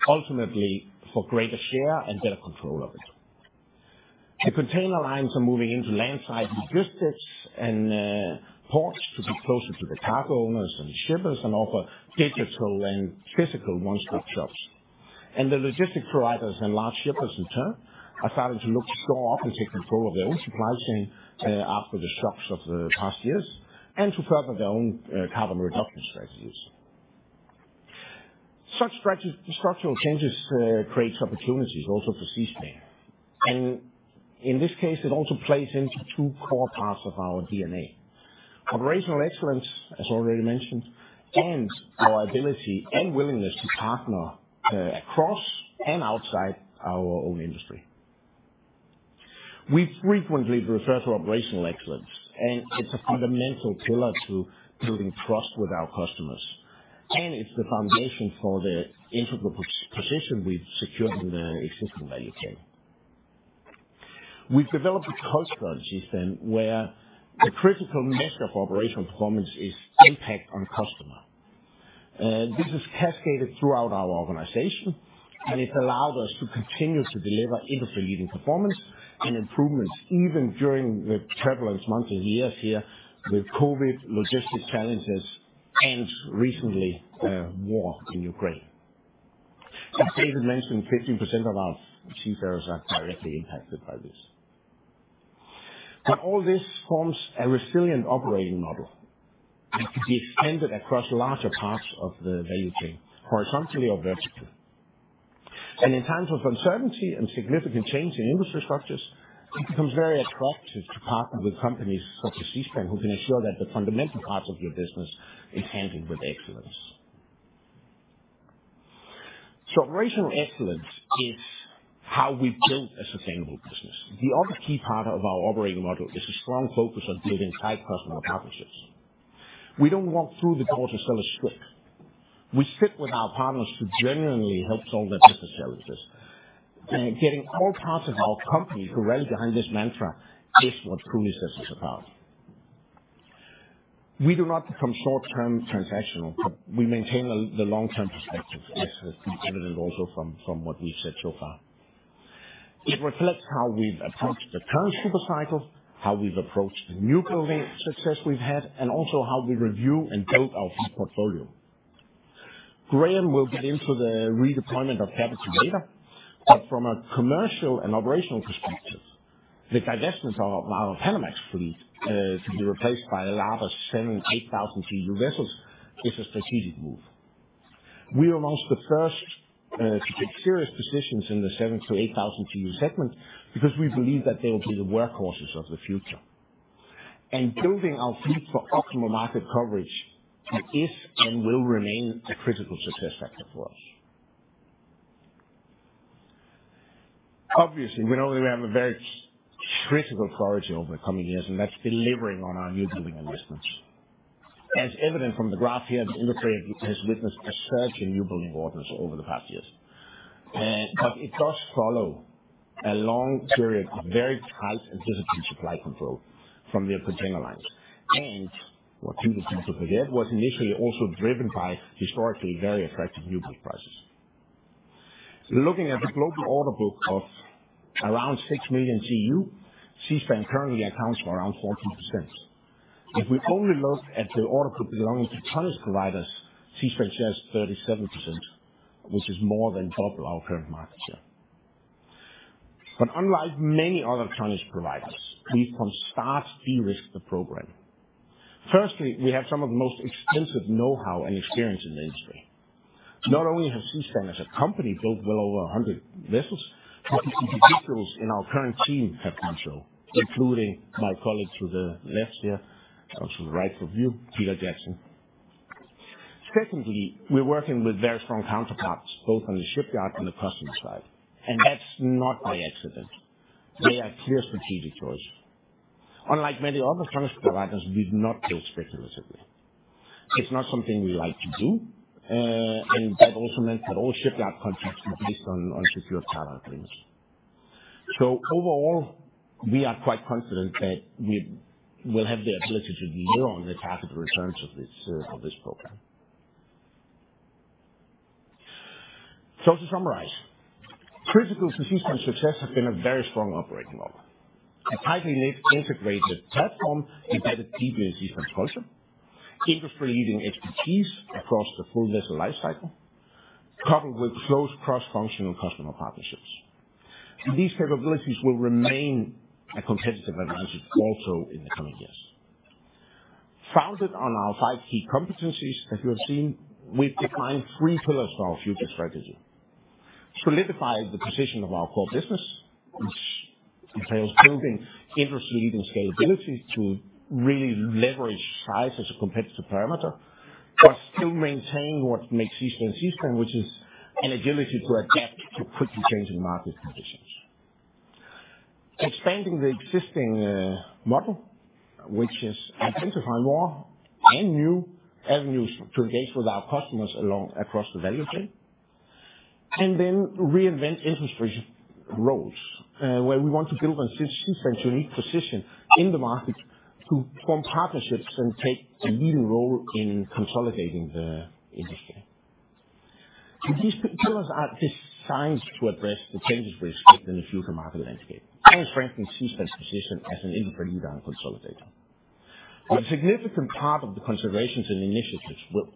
ultimately for greater share and better control of it. The container lines are moving into land side logistics and ports to be closer to the cargo owners and shippers and offer digital and physical one-stop shops. The logistic providers and large shippers in turn are starting to look shore up and take control of their own supply chain after disruptions of the past years and to further their own carbon reduction strategies. Such structural changes creates opportunities also for Seaspan. In this case, it also plays into two core parts of our DNA. Operational excellence, as already mentioned, and our ability and willingness to partner across and outside our own industry. We frequently refer to operational excellence, and it's a fundamental pillar to building trust with our customers, and it's the foundation for the integral position we've secured in the existing value chain. We've developed a culture at Seaspan where the critical measure of operational performance is impact on customer. This is cascaded throughout our organization, and it allowed us to continue to deliver industry-leading performance and improvements even during the turbulence months and years here with COVID logistic challenges and recently, war in Ukraine. As David mentioned, 15% of our seafarers are directly impacted by this. Now, all this forms a resilient operating model and can be extended across larger parts of the value chain, horizontally or vertically. In times of uncertainty and significant change in industry structures, it becomes very attractive to partner with companies such as Seaspan who can ensure that the fundamental parts of your business is handled with excellence. Operational excellence is how we build a sustainable business. The other key part of our operating model is a strong focus on building tight customer partnerships. We don't walk through the door to sell a ship. We sit with our partners to genuinely help solve their business challenges. Getting all parts of our company to rally behind this mantra is what truly sets us apart. We do not become short-term transactional, but we maintain the long-term perspective, as is evident also from what we've said so far. It reflects how we've approached the current super cycle, how we've approached newbuilding success we've had, and also how we review and build our fleet portfolio. Graham will get into the redeployment of capital later. From a commercial and operational perspective, the divestment of our Panamax fleet to be replaced by a lot of 7,000 and 8,000 CEU vessels is a strategic move. We are amongst the first to take serious positions in the 7,000-8,000 CEU segment because we believe that they will be the workhorses of the future. Building our fleet for optimal market coverage is and will remain a critical success factor for us. Obviously, we know that we have a very critical priority over the coming years, and that's delivering on our new building investments. As evident from the graph here, the industry has witnessed a surge in new building orders over the past years. It does follow a long period of very tight and disciplined supply control from the container lines. What people seem to forget was initially also driven by historically very attractive newbuild prices. Looking at the global order book of around six million CEU, Seaspan currently accounts for around 14%. If we only look at the order book belonging to tonnage providers, Seaspan shares 37%, which is more than double our current market share. Unlike many other tonnage providers, we from start de-risk the program. Firstly, we have some of the most extensive know-how and experience in the industry. Not only has Seaspan as a company built well over 100 vessels, but the key individuals in our current team have done so, including my colleague to the left here, and to the right from you, Peter Jackson. Secondly, we're working with very strong counterparts, both on the shipyard and the customer side, and that's not by accident. They are a clear strategic choice. Unlike many other tonnage providers, we do not build speculatively. It's not something we like to do, and that also meant that all shipyard contracts were based on secured charter agreements. Overall, we are quite confident that we will have the ability to deliver on the capital returns of this program. To summarize, critical to Seaspan's success has been a very strong operating model, a tightly knit, integrated platform embedded deeply in Seaspan's culture, industry-leading expertise across the full vessel life cycle, coupled with close cross-functional customer partnerships. These capabilities will remain a competitive advantage also in the coming years. Founded on our five key competencies that you have seen, we've defined three pillars for our future strategy. Solidify the position of our core business, which entails building industry-leading scalability to really leverage size as a competitive parameter, but still maintain what makes Seaspan Seaspan, which is an agility to adapt to quickly changing market conditions. Expanding the existing model, which is identifying more and new avenues to engage with our customers across the value chain. Reinvent industry roles, where we want to build on Seaspan's unique position in the market to form partnerships and take a leading role in consolidating the industry. These pillars are designed to address the changes we expect in the future market landscape and strengthen Seaspan's position as an industry leader and consolidator. A significant part of the considerations and initiatives will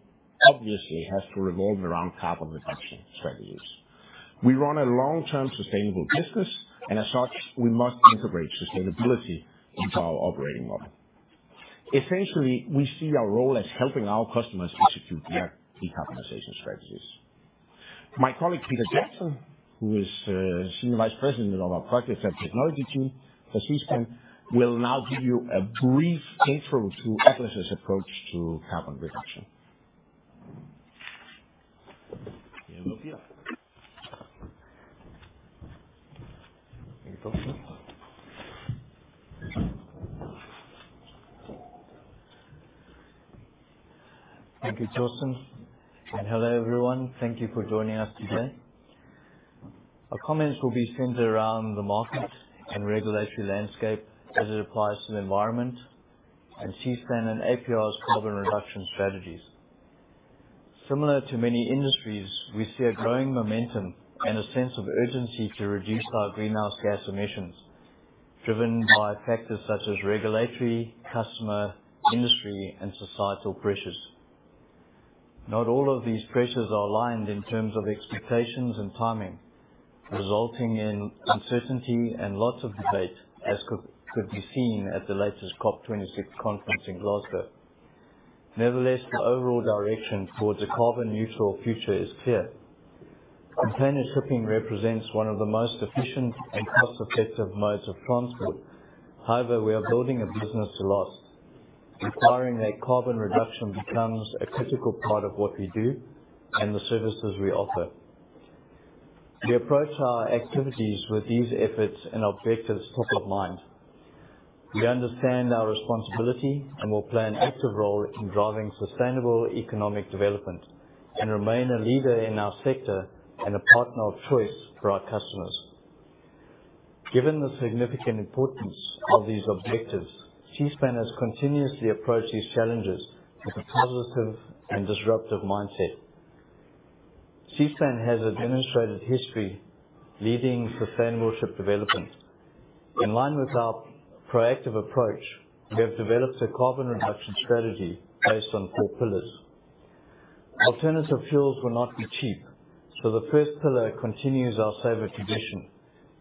obviously have to revolve around carbon reduction strategies. We run a long-term sustainable business, and as such, we must integrate sustainability into our operating model. Essentially, we see our role as helping our customers execute their decarbonization strategies. My colleague, Peter Jackson, who is Senior Vice President of our Projects and Technology team for Seaspan, will now give you a brief intro to APR's approach to carbon reduction. Here you go, Peter. Thank you, Torsten. Hello, everyone. Thank you for joining us today. Our comments will be centered around the market and regulatory landscape as it applies to the environment and Seaspan and APR's carbon reduction strategies. Similar to many industries, we see a growing momentum and a sense of urgency to reduce our greenhouse gas emissions, driven by factors such as regulatory, customer, industry, and societal pressures. Not all of these pressures are aligned in terms of expectations and timing, resulting in uncertainty and lots of debate, as could be seen at the latest COP26 conference in Glasgow. Nevertheless, the overall direction towards a carbon neutral future is clear. Container shipping represents one of the most efficient and cost-effective modes of transport. However, we are building a business to last, requiring that carbon reduction becomes a critical part of what we do and the services we offer. We approach our activities with these efforts and objectives top of mind. We understand our responsibility and will play an active role in driving sustainable economic development and remain a leader in our sector and a partner of choice for our customers. Given the significant importance of these objectives, Seaspan has continuously approached these challenges with a positive and disruptive mindset. Seaspan has a distinguished history leading sustainable ship development. In line with our proactive approach, we have developed a carbon reduction strategy based on four pillars. Alternative fuels will not be cheap, so the first pillar continues our SAVER tradition,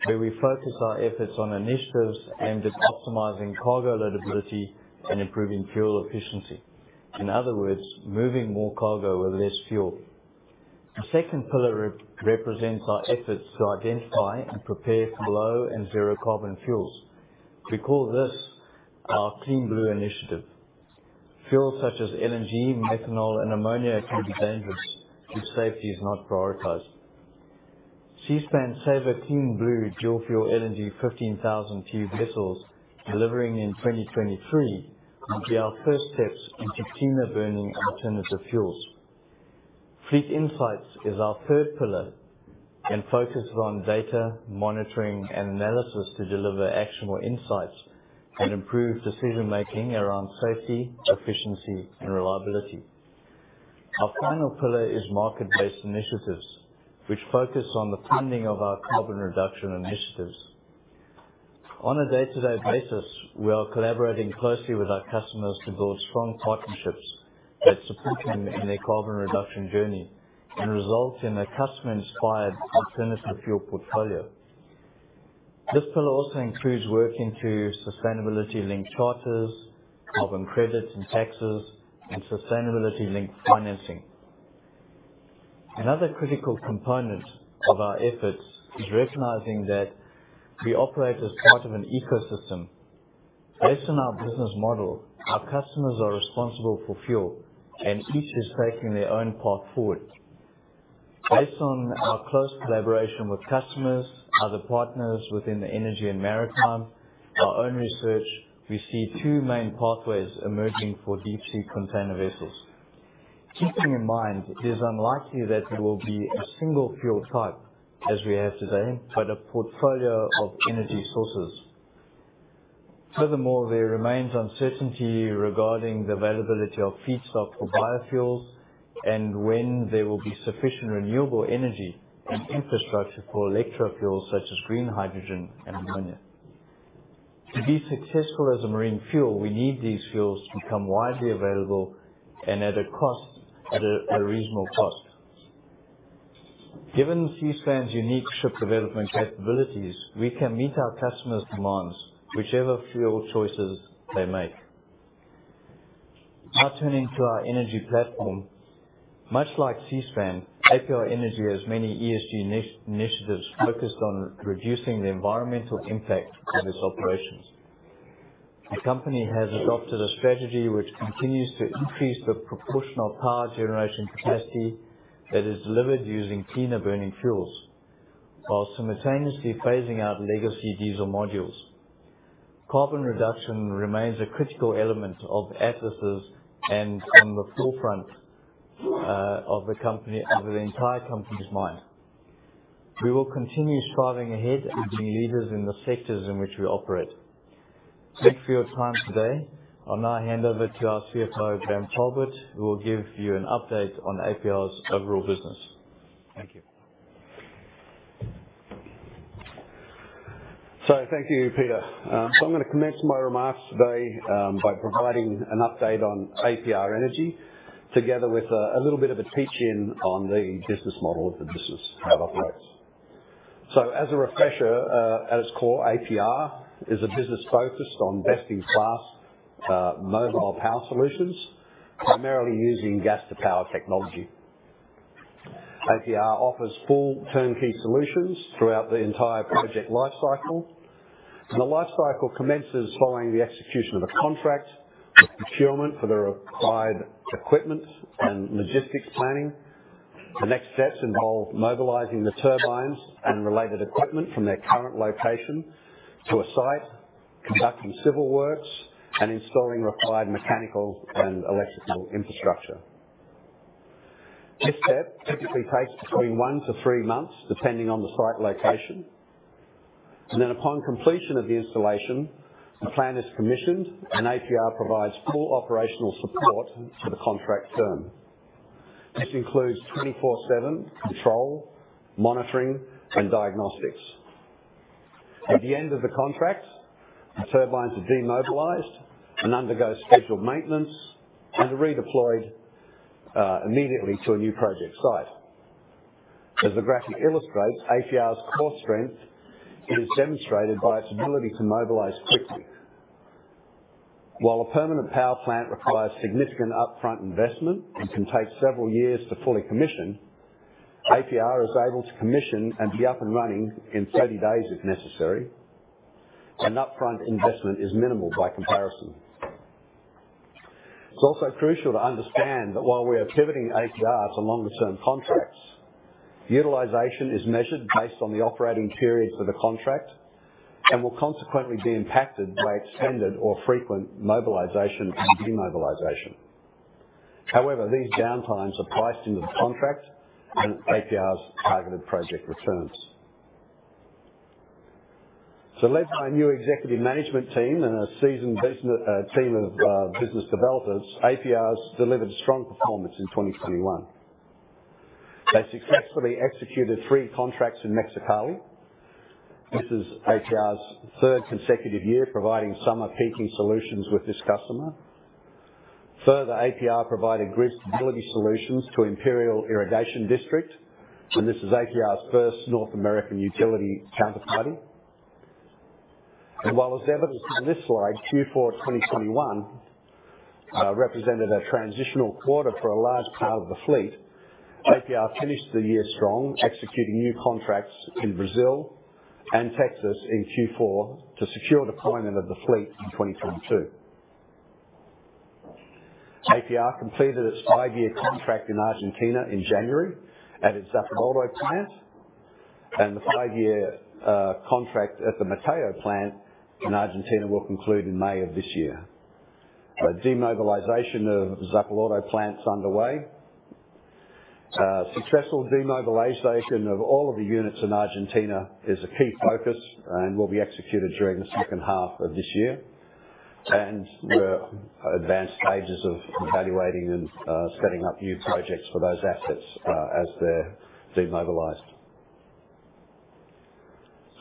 where we focus our efforts on initiatives aimed at optimizing cargo loadability and improving fuel efficiency. In other words, moving more cargo with less fuel. The second pillar represents our efforts to identify and prepare for low and zero carbon fuels. We call this our Team Blue initiative. Fuels such as LNG, methanol, and ammonia can be dangerous if safety is not prioritized. Seaspan SAVER Team Blue dual fuel LNG 15,000-TEU vessels delivering in 2023 will be our first steps into cleaner burning alternative fuels. Fleet Insights is our third pillar and focuses on data monitoring and analysis to deliver actionable insights and improve decision-making around safety, efficiency, and reliability. Our final pillar is market-based initiatives, which focus on the funding of our carbon reduction initiatives. On a day-to-day basis, we are collaborating closely with our customers to build strong partnerships that support them in their carbon reduction journey and result in a customer-inspired alternative fuel portfolio. This pillar also includes work into sustainability-linked charters, carbon credits and taxes, and sustainability-linked financing. Another critical component of our efforts is recognizing that we operate as part of an ecosystem. Based on our business model, our customers are responsible for fuel, and each is taking their own path forward. Based on our close collaboration with customers, other partners within the energy and maritime, our own research, we see two main pathways emerging for deep-sea container vessels. Keeping in mind, it is unlikely that there will be a single fuel type as we have today, but a portfolio of energy sources. Furthermore, there remains uncertainty regarding the availability of feedstock for biofuels and when there will be sufficient renewable energy and infrastructure for electro fuels such as green hydrogen and ammonia. To be successful as a marine fuel, we need these fuels to become widely available and at a reasonable cost. Given Seaspan's unique ship development capabilities, we can meet our customers' demands, whichever fuel choices they make. Now turning to our energy platform. Much like Seaspan, APR Energy has many ESG initiatives focused on reducing the environmental impact of its operations. The company has adopted a strategy which continues to increase the proportion of power generation capacity that is delivered using cleaner burning fuels while simultaneously phasing out legacy diesel modules. Carbon reduction remains a critical element of Atlas' and on the forefront of the company, of the entire company's mind. We will continue striving ahead and being leaders in the sectors in which we operate. Thank you for your time today. I'll now hand over to our CFO, Graham Talbot, who will give you an update on APR's overall business. Thank you. Thank you, Peter. I'm gonna commence my remarks today by providing an update on APR Energy together with a little bit of a teach-in on the business model of the business, how that works. As a refresher, at its core, APR is a business focused on best-in-class mobile power solutions, primarily using gas-to-power technology. APR offers full turnkey solutions throughout the entire project lifecycle. The lifecycle commences following the execution of a contract with procurement for the required equipment and logistics planning. The next steps involve mobilizing the turbines and related equipment from their current location to a site, conducting civil works, and installing required mechanical and electrical infrastructure. This step typically takes between one to three months, depending on the site location. Upon completion of the installation, the plant is commissioned, and APR provides full operational support for the contract term. This includes 24/7 control, monitoring, and diagnostics. At the end of the contract, the turbines are demobilized and undergo scheduled maintenance and are redeployed immediately to a new project site. As the graphic illustrates, APR's core strength is demonstrated by its ability to mobilize quickly. While a permanent power plant requires significant upfront investment and can take several years to fully commission, APR is able to commission and be up and running in 30 days if necessary, and upfront investment is minimal by comparison. It's also crucial to understand that while we are pivoting APR to longer-term contracts, utilization is measured based on the operating periods of the contract and will consequently be impacted by extended or frequent mobilization and demobilization. However, these downtimes are priced into the contract and APR's targeted project returns. Led by a new executive management team and a seasoned business team of business developers, APR has delivered a strong performance in 2021. They successfully executed three contracts in Mexicali. This is APR's third consecutive year providing summer peaking solutions with this customer. Further, APR provided grid stability solutions to Imperial Irrigation District, and this is APR's first North American utility counterparty. While as evidenced on this slide, Q4 2021 represented a transitional quarter for a large part of the fleet, APR finished the year strong, executing new contracts in Brazil and Texas in Q4 to secure deployment of the fleet in 2022. APR completed its five-year contract in Argentina in January at its Zapala plant, and the five-year contract at the Matheu plant in Argentina will conclude in May of this year. Demobilization of Zapala plant is underway. Successful demobilization of all of the units in Argentina is a key focus and will be executed during the second half of this year. We're at advanced stages of evaluating and setting up new projects for those assets as they're demobilized.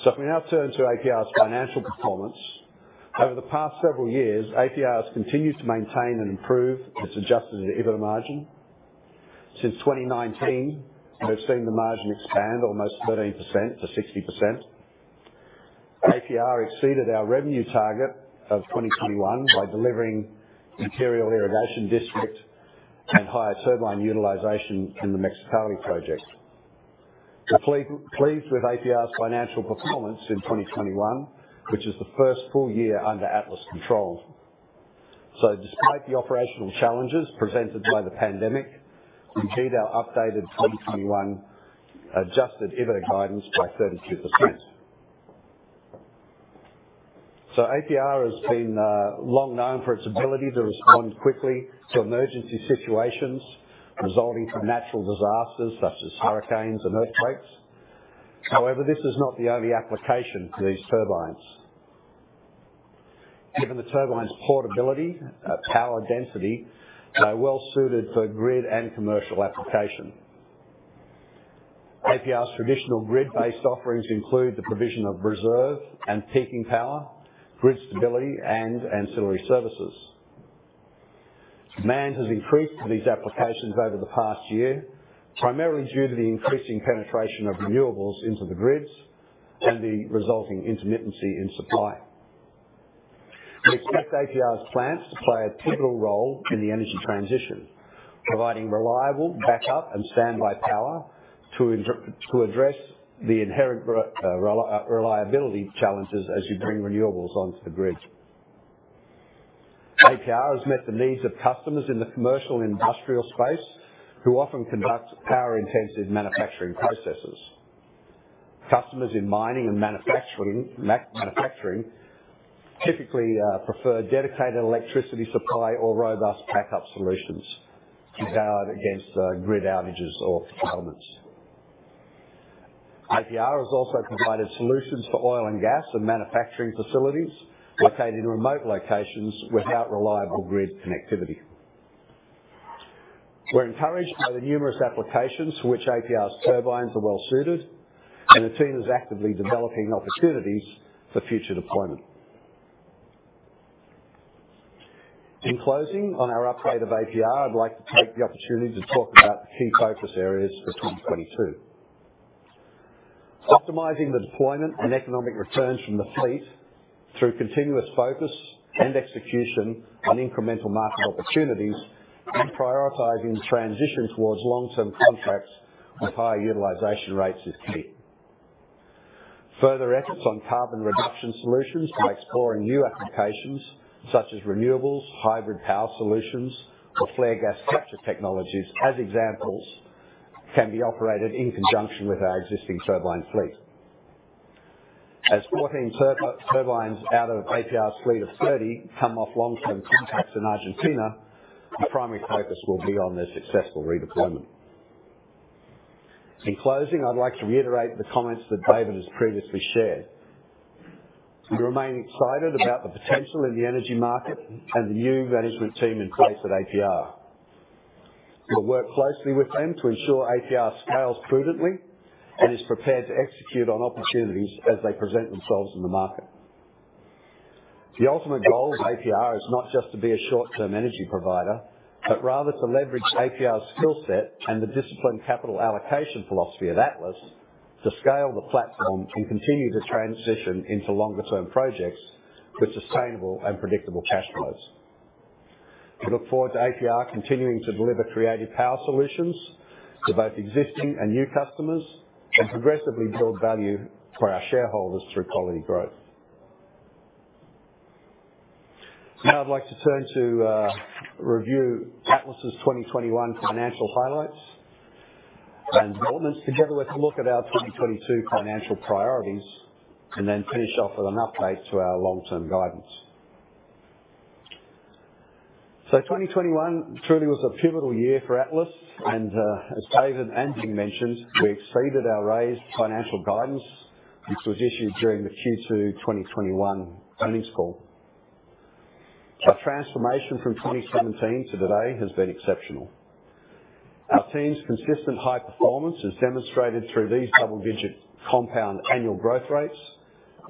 If we now turn to APR's financial performance. Over the past several years, APR has continued to maintain and improve its adjusted EBITDA margin. Since 2019, we've seen the margin expand almost 13%-60%. APR exceeded our revenue target of 2021 by delivering Imperial Irrigation District and higher turbine utilization in the Mexicali project. We're pleased with APR's financial performance in 2021, which is the first full year under Atlas control. Despite the operational challenges presented by the pandemic, we beat our updated 2021 adjusted EBITDA guidance by 32%. APR has been long known for its ability to respond quickly to emergency situations resulting from natural disasters such as hurricanes and earthquakes. However, this is not the only application for these turbines. Given the turbine's portability, power density, they are well suited for grid and commercial application. APR's traditional grid-based offerings include the provision of reserve and peaking power, grid stability, and ancillary services. Demand has increased for these applications over the past year, primarily due to the increasing penetration of renewables into the grids and the resulting intermittency in supply. We expect APR's plants to play a pivotal role in the energy transition, providing reliable backup and standby power to address the inherent reliability challenges as you bring renewables onto the grid. APR has met the needs of customers in the commercial and industrial space who often conduct power-intensive manufacturing processes. Customers in mining and manufacturing typically prefer dedicated electricity supply or robust backup solutions to guard against grid outages or failures. APR has also provided solutions for oil and gas and manufacturing facilities located in remote locations without reliable grid connectivity. We're encouraged by the numerous applications for which APR's turbines are well suited, and the team is actively developing opportunities for future deployment. In closing, on our update of APR, I'd like to take the opportunity to talk about the key focus areas for 2022. Optimizing the deployment and economic returns from the fleet through continuous focus and execution on incremental market opportunities and prioritizing transition towards long-term contracts with higher utilization rates is key. Further efforts on carbon reduction solutions by exploring new applications such as renewables, hybrid power solutions or flare gas capture technologies, as examples, can be operated in conjunction with our existing turbine fleet. As 14 turbines out of APR's fleet of 30 come off long-term contracts in Argentina, the primary focus will be on their successful redeployment. In closing, I'd like to reiterate the comments that David has previously shared. We remain excited about the potential in the energy market and the new management team in place at APR. We'll work closely with them to ensure APR scales prudently and is prepared to execute on opportunities as they present themselves in the market. The ultimate goal of APR is not just to be a short-term energy provider, but rather to leverage APR's skill set and the disciplined capital allocation philosophy of Atlas to scale the platform and continue to transition into longer-term projects with sustainable and predictable cash flows. We look forward to APR continuing to deliver creative power solutions to both existing and new customers and progressively build value for our shareholders through quality growth. Now I'd like to turn to review Atlas's 2021 financial highlights and performance together with a look at our 2022 financial priorities, and then finish off with an update to our long-term guidance. 2021 truly was a pivotal year for Atlas and, as David and Bing mentioned, we exceeded our raised financial guidance, which was issued during the Q2 2021 earnings call. Our transformation from 2017 to today has been exceptional. Our team's consistent high performance is demonstrated through these double-digit compound annual growth rates,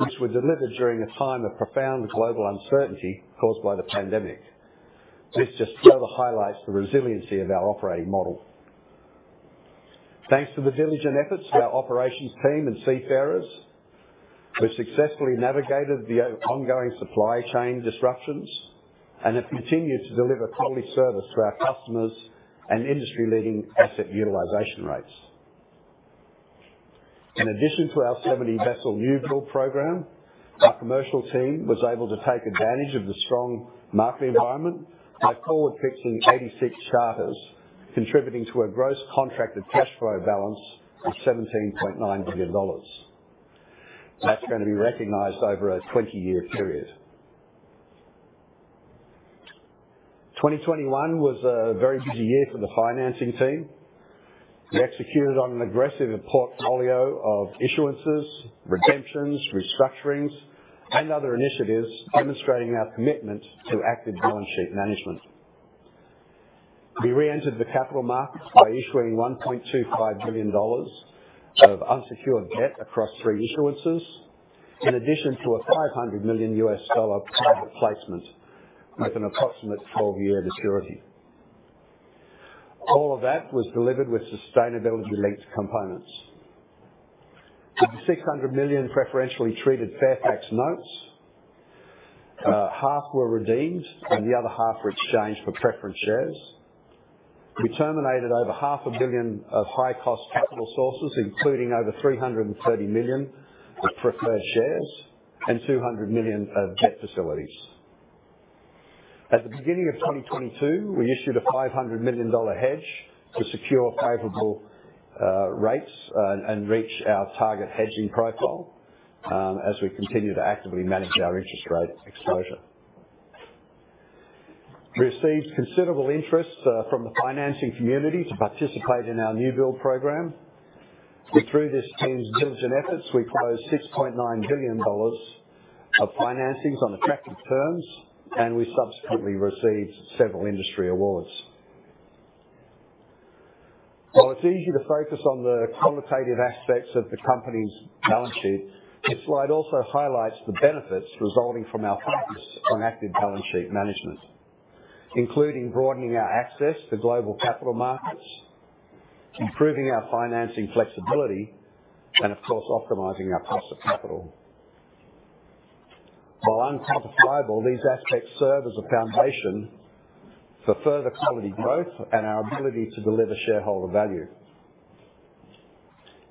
which were delivered during a time of profound global uncertainty caused by the pandemic. This just further highlights the resiliency of our operating model. Thanks to the diligent efforts of our operations team and seafarers, we've successfully navigated the ongoing supply chain disruptions and have continued to deliver quality service to our customers and industry-leading asset utilization rates. In addition to our 70-vessel new-build program, our commercial team was able to take advantage of the strong market environment by forward fixing 86 charters, contributing to a gross contracted cash flow balance of $17.9 billion. That's gonna be recognized over a 20-year period. 2021 was a very busy year for the financing team. We executed on an aggressive portfolio of issuances, redemptions, restructurings, and other initiatives demonstrating our commitment to active balance sheet management. We reentered the capital markets by issuing $1.25 billion of unsecured debt across three issuances, in addition to a $500 million private placement with an approximate 12-year maturity. All of that was delivered with sustainability-linked components. Of the $600 million preferentially treated Fairfax notes, half were redeemed and the other half were exchanged for preference shares. We terminated over half a billion of high-cost capital sources, including over $330 million of preferred shares and $200 million of debt facilities. At the beginning of 2022, we issued a $500 million hedge to secure favorable rates and reach our target hedging profile, as we continue to actively manage our interest rate exposure. We received considerable interest from the financing community to participate in our new-build program. Through this team's diligent efforts, we closed $6.9 billion of financings on attractive terms, and we subsequently received several industry awards. While it's easy to focus on the quantitative aspects of the company's balance sheet, this slide also highlights the benefits resulting from our focus on active balance sheet management, including broadening our access to global capital markets, improving our financing flexibility, and of course, optimizing our cost of capital. While unquantifiable, these aspects serve as a foundation for further quality growth and our ability to deliver shareholder value.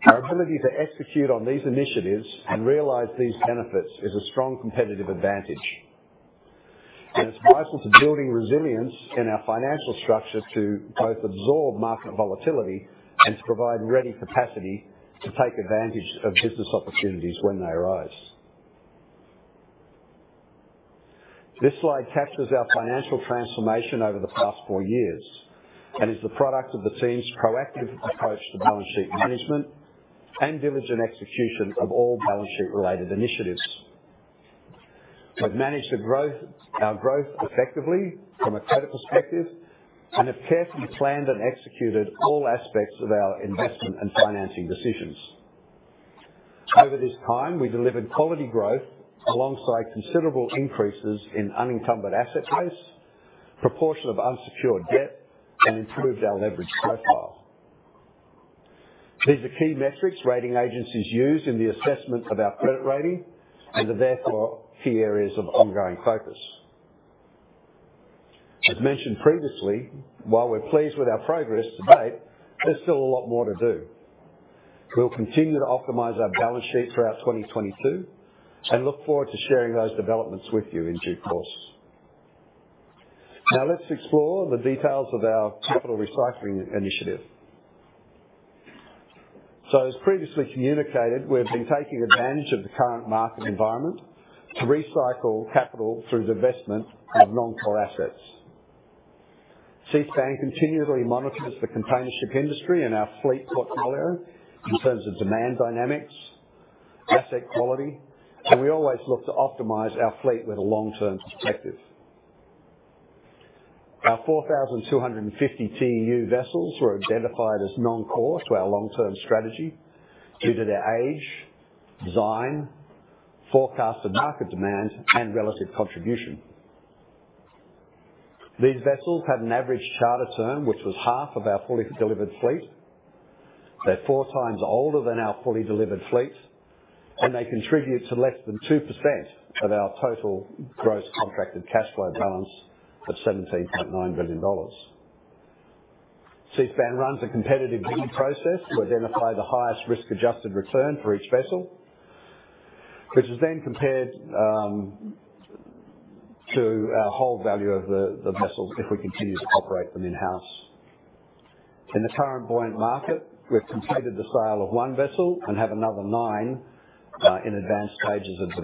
Our ability to execute on these initiatives and realize these benefits is a strong competitive advantage, and it's vital to building resilience in our financial structure to both absorb market volatility and to provide ready capacity to take advantage of business opportunities when they arise. This slide captures our financial transformation over the past four years and is the product of the team's proactive approach to balance sheet management and diligent execution of all balance sheet-related initiatives. We've managed our growth effectively from a credit perspective and have carefully planned and executed all aspects of our investment and financing decisions. Over this time, we delivered quality growth alongside considerable increases in unencumbered asset base, proportion of unsecured debt, and improved our leverage profile. These are key metrics rating agencies use in the assessment of our credit rating and are therefore key areas of ongoing focus. As mentioned previously, while we're pleased with our progress to date, there's still a lot more to do. We'll continue to optimize our balance sheet throughout 2022 and look forward to sharing those developments with you in due course. Now let's explore the details of our capital recycling initiative. As previously communicated, we've been taking advantage of the current market environment to recycle capital through divestment of non-core assets. Seaspan continually monitors the containership industry and our fleet portfolio in terms of demand dynamics, asset quality, and we always look to optimize our fleet with a long-term perspective. Our 4,250 TEU vessels were identified as non-core to our long-term strategy due to their age, design, forecasted market demand, and relative contribution. These vessels have an average charter term which was half of our fully delivered fleet. They're four times older than our fully delivered fleet, and they contribute to less than 2% of our total gross contracted cash flow balance of $17.9 billion. Seaspan runs a competitive bidding process to identify the highest risk-adjusted return for each vessel, which is then compared to our whole value of the vessels if we continue to operate them in-house. In the current buoyant market, we've completed the sale of one vessel and have another nine in advanced stages of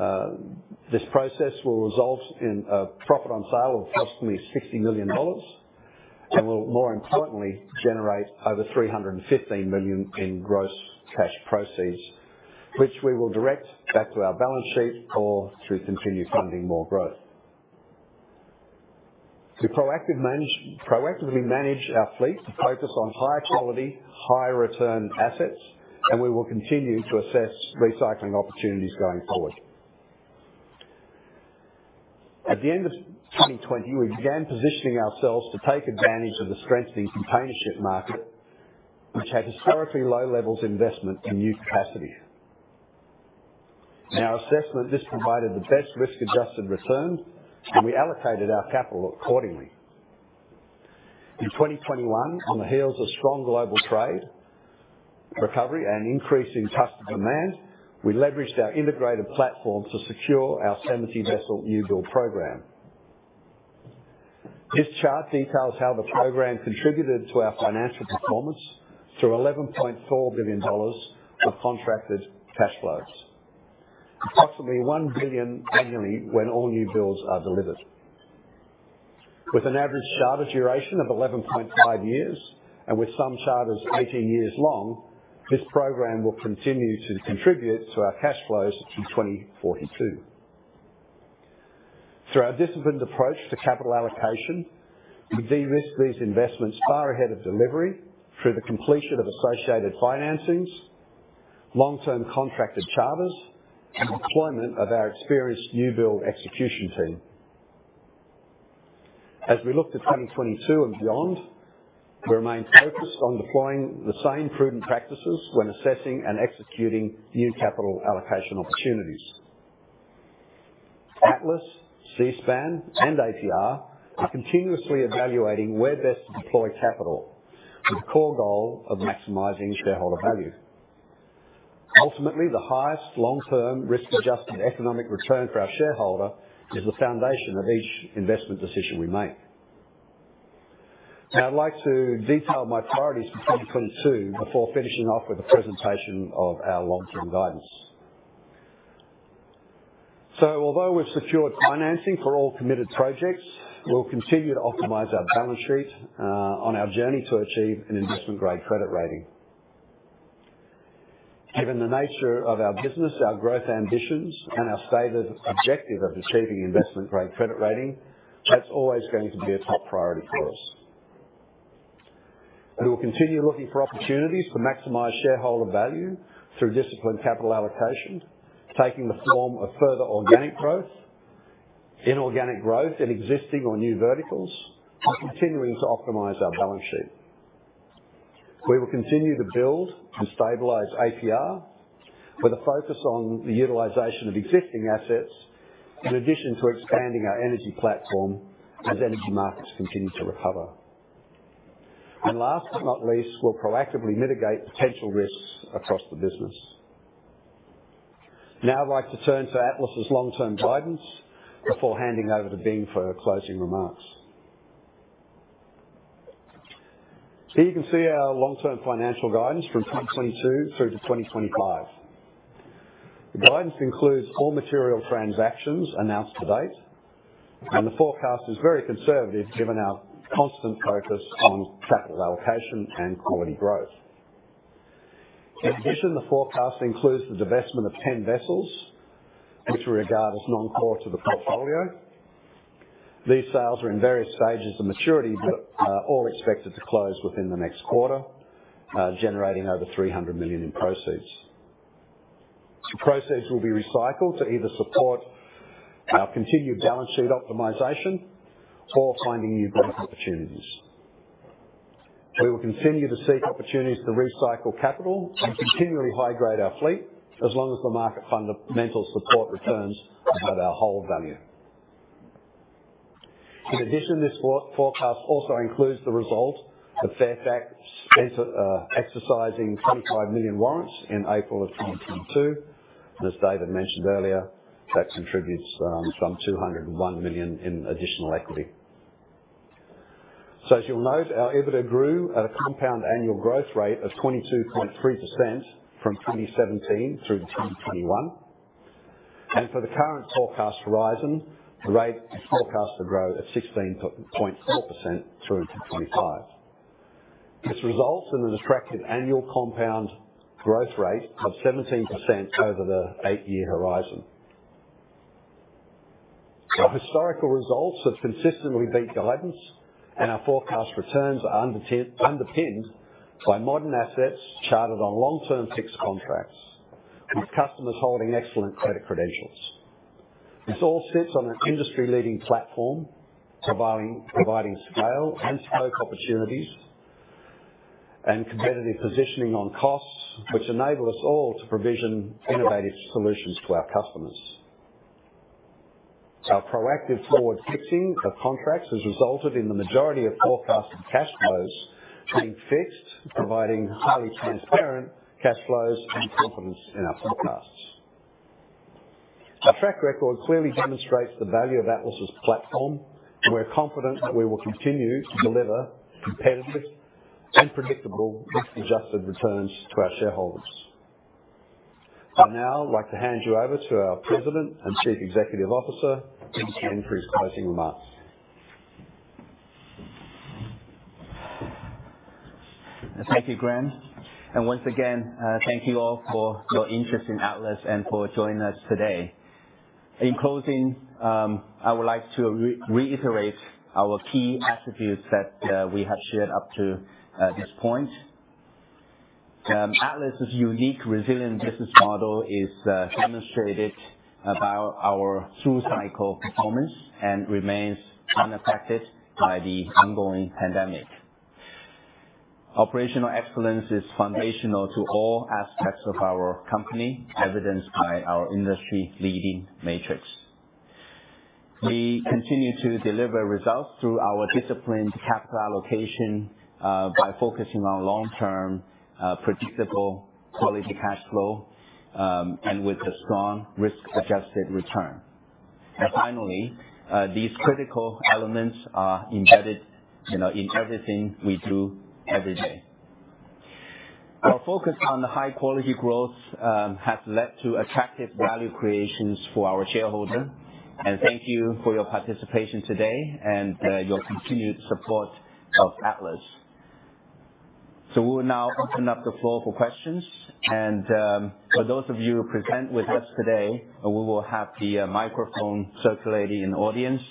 divestment. This process will result in a profit on sale of approximately $60 million and will more importantly generate over $315 million in gross cash proceeds, which we will direct back to our balance sheet or through continued funding more growth. We proactively manage our fleet to focus on high-quality, high-return assets, and we will continue to assess recycling opportunities going forward. At the end of 2020, we began positioning ourselves to take advantage of the strengthening container ship market, which had historically low levels of investment in new capacity. In our assessment, this provided the best risk-adjusted returns, and we allocated our capital accordingly. In 2021, on the heels of strong global trade recovery and increase in customer demand, we leveraged our integrated platform to secure our 70-vessel new-build program. This chart details how the program contributed to our financial performance through $11.4 billion of contracted cash flows. Approximately $1 billion annually when all new builds are delivered. With an average charter duration of 11.5 years and with some charters 18 years long, this program will continue to contribute to our cash flows through 2042. Through our disciplined approach to capital allocation, we de-risked these investments far ahead of delivery through the completion of associated financings, long-term contracted charters, and deployment of our experienced new-build execution team. As we look to 2022 and beyond, we remain focused on deploying the same prudent practices when assessing and executing new capital allocation opportunities. Atlas, Seaspan, and APR are continuously evaluating where best to deploy capital with the core goal of maximizing shareholder value. Ultimately, the highest long-term risk-adjusted economic return for our shareholder is the foundation of each investment decision we make. Now, I'd like to detail my priorities for 2022 before finishing off with a presentation of our long-term guidance. Although we've secured financing for all committed projects, we'll continue to optimize our balance sheet on our journey to achieve an investment-grade credit rating. Given the nature of our business, our growth ambitions, and our stated objective of achieving investment-grade credit rating, that's always going to be a top priority for us. We'll continue looking for opportunities to maximize shareholder value through disciplined capital allocation, taking the form of further organic growth, inorganic growth in existing or new verticals, and continuing to optimize our balance sheet. We will continue to build and stabilize APR with a focus on the utilization of existing assets in addition to expanding our energy platform as energy markets continue to recover. Last but not least, we'll proactively mitigate potential risks across the business. Now I'd like to turn to Atlas's long-term guidance before handing over to Bing for her closing remarks. You can see our long-term financial guidance from 2022 through to 2025. The guidance includes all material transactions announced to date, and the forecast is very conservative given our constant focus on capital allocation and quality growth. In addition, the forecast includes the divestment of 10 vessels which we regard as non-core to the portfolio. These sales are in various stages of maturity but all expected to close within the next quarter, generating over $300 million in proceeds. The proceeds will be recycled to either support our continued balance sheet optimization or finding new growth opportunities. We will continue to seek opportunities to recycle capital and continually high-grade our fleet as long as the market fundamental support returns that add our whole value. In addition, this forecast also includes the result of Fairfax exit, exercising 25 million warrants in April of 2022. As David mentioned earlier, that contributes some $201 million in additional equity. As you'll note, our EBITDA grew at a compound annual growth rate of 22.3% from 2017 through to 2021. For the current forecast horizon, the rate is forecast to grow at 16.4% through to 2025. This results in an attractive annual compound growth rate of 17% over the eight-year horizon. Our historical results have consistently beat guidance, and our forecast returns are underpinned by modern assets chartered on long-term fixed contracts with customers holding excellent credit credentials. This all sits on an industry-leading platform providing scale and scope opportunities and competitive positioning on costs, which enable us all to provision innovative solutions to our customers. Our proactive forward fixing of contracts has resulted in the majority of forecasted cash flows being fixed, providing highly transparent cash flows and confidence in our forecasts. Our track record clearly demonstrates the value of Atlas's platform, and we're confident that we will continue to deliver competitive and predictable risk-adjusted returns to our shareholders. I'd now like to hand you over to our President and Chief Executive Officer, Bing Chen, for his closing remarks. Thank you, Graham. Once again, thank you all for your interest in Atlas and for joining us today. In closing, I would like to reiterate our key attributes that we have shared up to this point. Atlas' unique resilient business model is demonstrated through our through-cycle performance and remains unaffected by the ongoing pandemic. Operational excellence is foundational to all aspects of our company, evidenced by our industry-leading metrics. We continue to deliver results through our disciplined capital allocation by focusing on long-term predictable quality cash flow and with a strong risk-adjusted return. Finally, these critical elements are embedded, you know, in everything we do every day. Our focus on high quality growth has led to attractive value creations for our shareholder. Thank you for your participation today and your continued support of Atlas. We will now open up the floor for questions. For those of you present with us today, we will have the microphone circulating in the audience.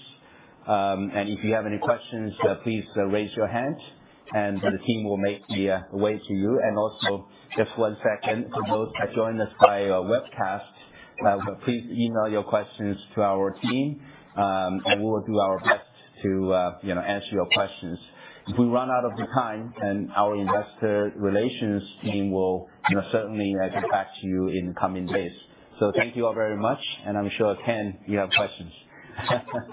If you have any questions, please raise your hand, and the team will make the way to you. Just one second, for those that joined us by webcast, please email your questions to our team. We will do our best to, you know, answer your questions. If we run out of the time then our investor relations team will, you know, certainly get back to you in coming days. Thank you all very much, and I'm sure, Ken, you have questions. Thanks for this.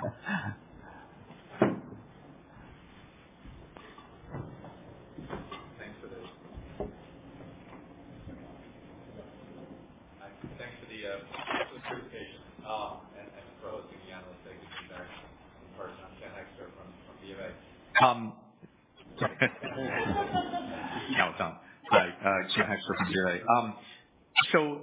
Thanks for the presentation and for hosting the analysts. I can see there in person. Ken Hoexter from BofA. Sorry. Now it's on. Hi, Ken Hoexter from BofA. So,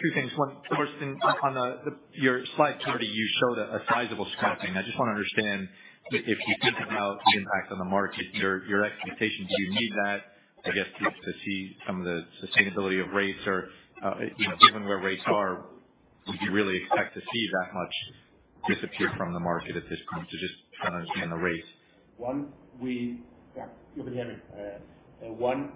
two things. One, the first thing on your slide 20, you showed a sizable scrapping. I just wanna understand, if you think about the impact on the market, your expectations, do you need that, I guess, to see some of the sustainability of rates? Or, you know, given where rates are, would you really expect to see that much disappear from the market at this point? So just trying to understand the rates. We wouldn't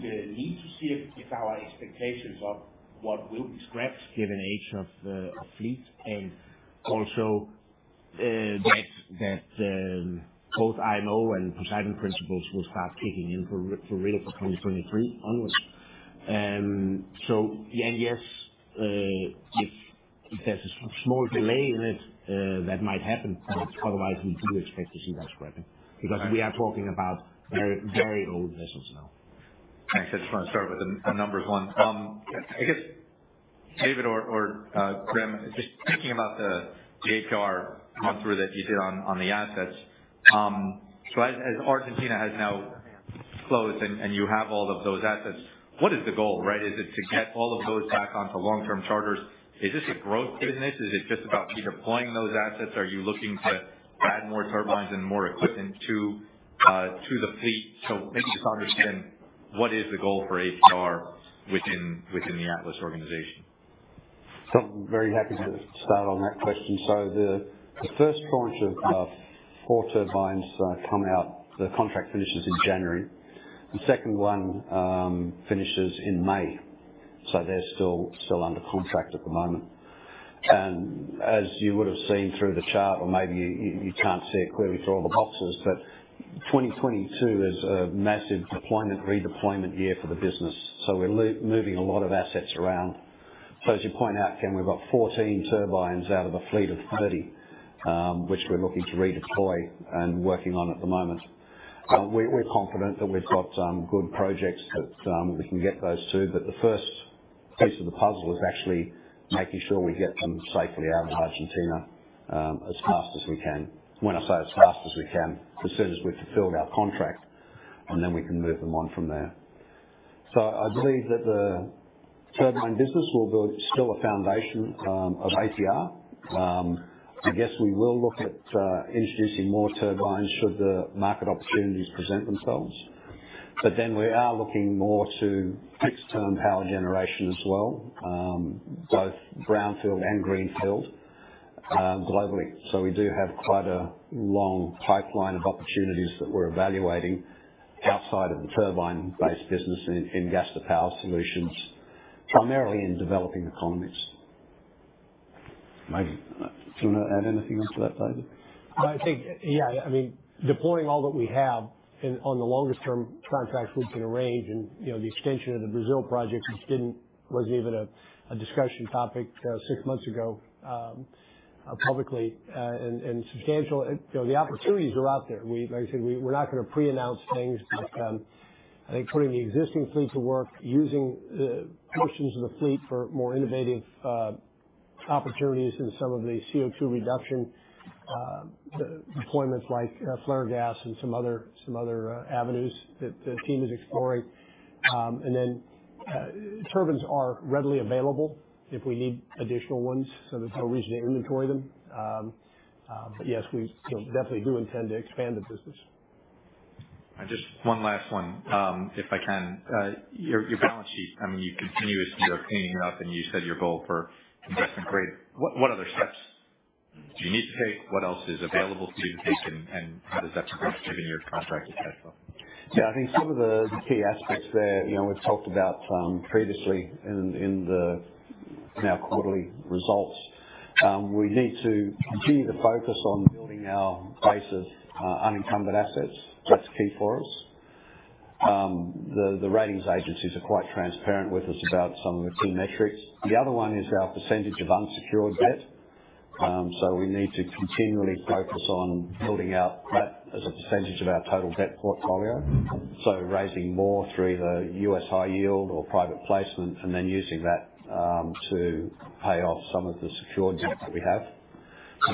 need to see it if our expectations of what will be scrapped given age of the fleet and also that both IMO and Poseidon Principles will start kicking in for real from 2023 onwards. Yes, if there's a small delay in it, that might happen. Otherwise, we do expect to see that scrapping because we are talking about very old vessels now. Thanks. I just wanna start with the numbers one. I guess, David or Graham, just thinking about the APR offer that you did on the assets. So as Argentina has now closed and you have all of those assets, what is the goal, right? Is it to get all of those back onto long-term charters? Is this a growth business? Is it just about redeploying those assets? Are you looking to add more turbines and more equipment to the fleet? So maybe just understand what is the goal for APR within the Atlas organization. Very happy to start on that question. The first tranche of four turbines come out. The contract finishes in January. The second one finishes in May, so they're still under contract at the moment. As you would have seen through the chart or maybe you can't see it clearly through all the boxes. 2022 is a massive deployment, redeployment year for the business, so we're moving a lot of assets around. As you point out, Ken, we've got 14 turbines out of a fleet of 30, which we're looking to redeploy and working on at the moment. We're confident that we've got good projects that we can get those to. The first piece of the puzzle is actually making sure we get them safely out of Argentina, as fast as we can. When I say as fast as we can, as soon as we've fulfilled our contract, and then we can move them on from there. I believe that the turbine business will build still a foundation of APR. I guess we will look at introducing more turbines should the market opportunities present themselves. We are looking more to fixed term power generation as well, both brownfield and greenfield, globally. We do have quite a long pipeline of opportunities that we're evaluating outside of the turbine-based business in gas to power solutions, primarily in developing economies. Maybe. Do you wanna add anything else to that, David? I think, yeah. I mean, deploying all that we have in, on the longest term contracts we can arrange and, you know, the extension of the Brazil project, which wasn't even a discussion topic, six months ago, publicly, and substantial. You know, the opportunities are out there. We. Like I said, we're not gonna pre-announce things. I think putting the existing fleet to work, using, portions of the fleet for more innovative, opportunities in some of the CO2 reduction deployments like flare gas and some other avenues that the team is exploring. Turbines are readily available if we need additional ones, so there's no reason to inventory them. Yes, we definitely do intend to expand the business. Just one last one, if I can. Your balance sheet, I mean, you continuously are cleaning it up, and you said your goal for investment grade. What other steps do you need to take? What else is available to you to take, and how does that progress fit in your contracted cash flow? Yeah, I think some of the key aspects there, you know, we've talked about previously in our quarterly results. We need to continue the focus on building our base of unencumbered assets. That's key for us. The ratings agencies are quite transparent with us about some of the key metrics. The other one is our percentage of unsecured debt. We need to continually focus on building our debt as a percentage of our total debt portfolio. Raising more through the U.S. high yield or private placement, and then using that to pay off some of the secured debt that we have.